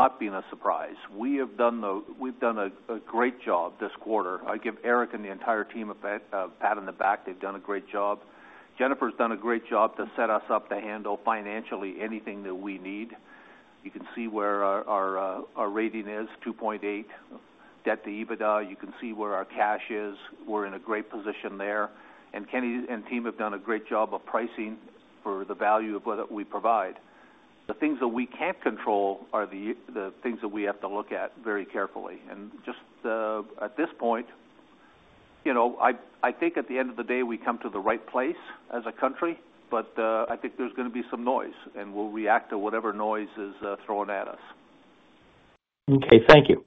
do have not been a surprise. We have done a great job this quarter. I give Eric and the entire team a pat on the back. They've done a great job. Jennifer's done a great job to set us up to handle financially anything that we need. You can see where our rating is, 2.8 debt to EBITDA. You can see where our cash is. We're in a great position there. Kenny and team have done a great job of pricing for the value of what we provide. The things that we can't control are the things that we have to look at very carefully. At this point, I think at the end of the day, we come to the right place as a country, but I think there's going to be some noise, and we'll react to whatever noise is thrown at us. Okay. Thank you.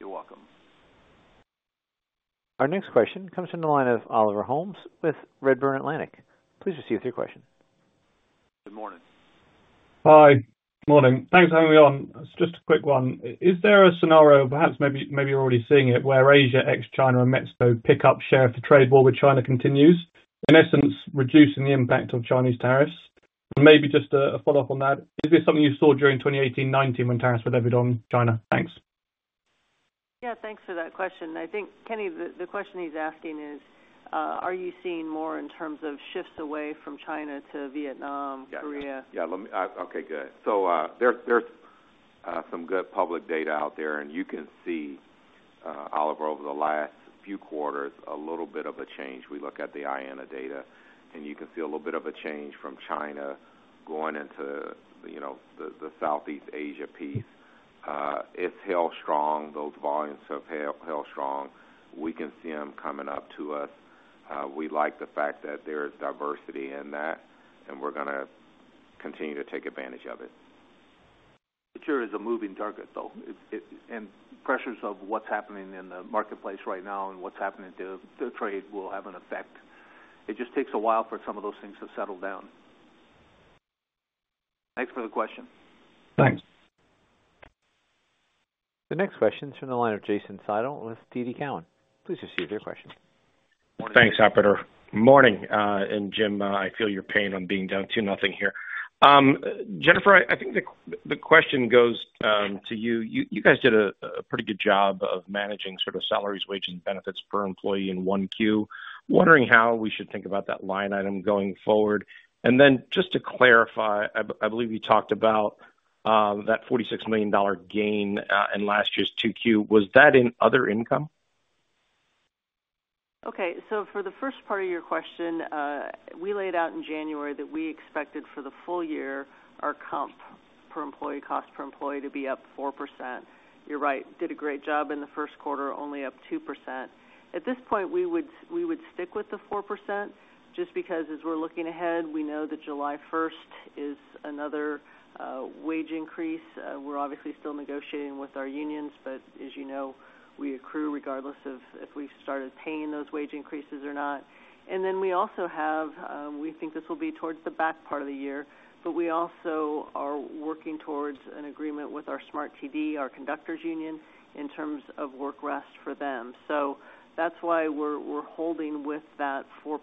You're welcome. Our next question comes from the line of Oliver Holmes with Redburn Atlantic. Please proceed with your question. Good morning. Hi. Good morning. Thanks for having me on. Just a quick one. Is there a scenario, perhaps maybe you're already seeing it, where Asia ex-China and Mexico pick up share of the trade while China continues, in essence, reducing the impact of Chinese tariffs? Maybe just a follow-up on that, is this something you saw during 2018-2019 when tariffs were levied on China? Thanks. Yeah. Thanks for that question. I think, Kenny, the question he's asking is, are you seeing more in terms of shifts away from China to Vietnam, Korea? Yeah. Okay. Good. There is some good public data out there, and you can see, Oliver, over the last few quarters, a little bit of a change. We look at the IANA data, and you can see a little bit of a change from China going into the Southeast Asia piece. It has held strong. Those volumes have held strong. We can see them coming up to us. We like the fact that there is diversity in that, and we are going to continue to take advantage of it. The future is a moving target, though, and pressures of what's happening in the marketplace right now and what's happening to trade will have an effect. It just takes a while for some of those things to settle down. Thanks for the question. Thanks. The next question is from the line of Jason Seidl with TD Cowen. Please proceed with your question. Morning. Thanks, operator. Morning. Jim, I feel your pain on being down to nothing here. Jennifer, I think the question goes to you. You guys did a pretty good job of managing sort of salaries, wages, and benefits per employee in one Q. Wondering how we should think about that line item going forward. Just to clarify, I believe you talked about that $46 million gain in last year's two Q. Was that in other income? Okay. For the first part of your question, we laid out in January that we expected for the full year, our comp per employee, cost per employee, to be up 4%. You're right. Did a great job in the first quarter, only up 2%. At this point, we would stick with the 4% just because as we're looking ahead, we know that July 1 is another wage increase. We're obviously still negotiating with our unions, but as you know, we accrue regardless of if we've started paying those wage increases or not. We also have, we think this will be towards the back part of the year, but we also are working towards an agreement with our SMART-TD, our conductor's union, in terms of work rest for them. That's why we're holding with that 4%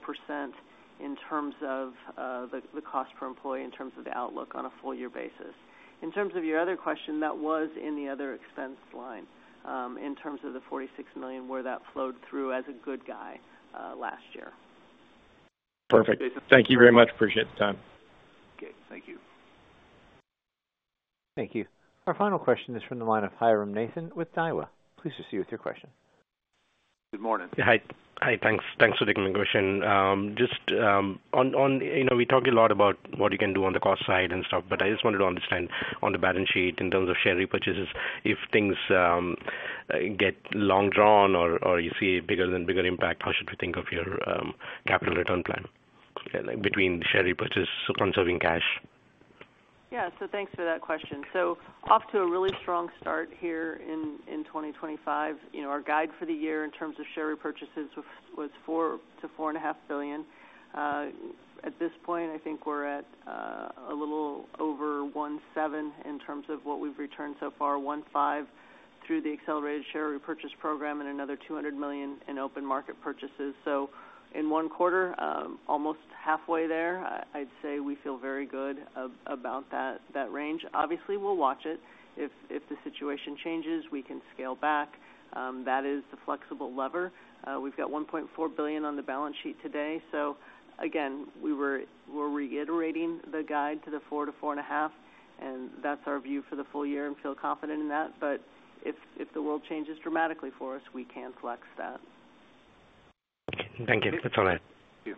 in terms of the cost per employee, in terms of the outlook on a full-year basis. In terms of your other question, that was in the other expense line in terms of the $46 million where that flowed through as a good guy last year. Perfect. Thank you very much. Appreciate the time. Okay. Thank you. Thank you. Our final question is from the line of Jairam Nathan with Daiwa. Please proceed with your question. Good morning. Hi. Thanks for the conversation. Just on, we talk a lot about what you can do on the cost side and stuff, but I just wanted to understand on the balance sheet in terms of share repurchases, if things get long drawn or you see a bigger than bigger impact, how should we think of your capital return plan between share repurchase, conserving cash? Yeah. Thanks for that question. Off to a really strong start here in 2025. Our guide for the year in terms of share repurchases was $4 billion-$4.5 billion. At this point, I think we're at a little over $1.7 billion in terms of what we've returned so far, $1.5 billion through the accelerated share repurchase program and another $200 million in open market purchases. In one quarter, almost halfway there, I'd say we feel very good about that range. Obviously, we'll watch it. If the situation changes, we can scale back. That is the flexible lever. We've got $1.4 billion on the balance sheet today. Again, we're reiterating the guide to the $4 billion-$4.5 billion, and that's our view for the full year and feel confident in that. If the world changes dramatically for us, we can flex that. Thank you. That's all right. Thank you.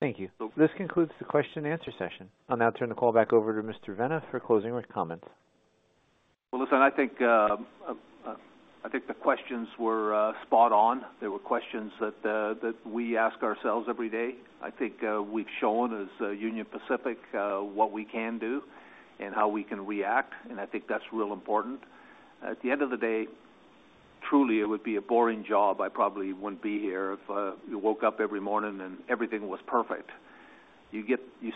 Thank you. This concludes the question-and-answer session. I'll now turn the call back over to Mr. Vena for closing comments. I think the questions were spot on. There were questions that we ask ourselves every day. I think we've shown as Union Pacific what we can do and how we can react. I think that's real important. At the end of the day, truly, it would be a boring job. I probably wouldn't be here if you woke up every morning and everything was perfect. You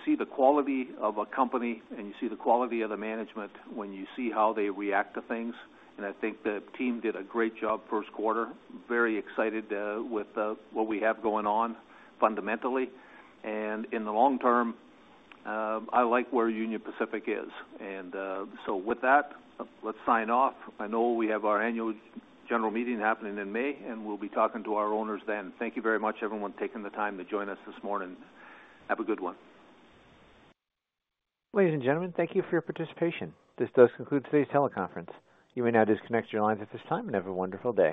see the quality of a company, and you see the quality of the management when you see how they react to things. I think the team did a great job first quarter. Very excited with what we have going on fundamentally. In the long term, I like where Union Pacific is. With that, let's sign off. I know we have our annual general meeting happening in May, and we'll be talking to our owners then. Thank you very much, everyone, for taking the time to join us this morning. Have a good one. Ladies and gentlemen, thank you for your participation. This does conclude today's teleconference. You may now disconnect your lines at this time. Have a wonderful day.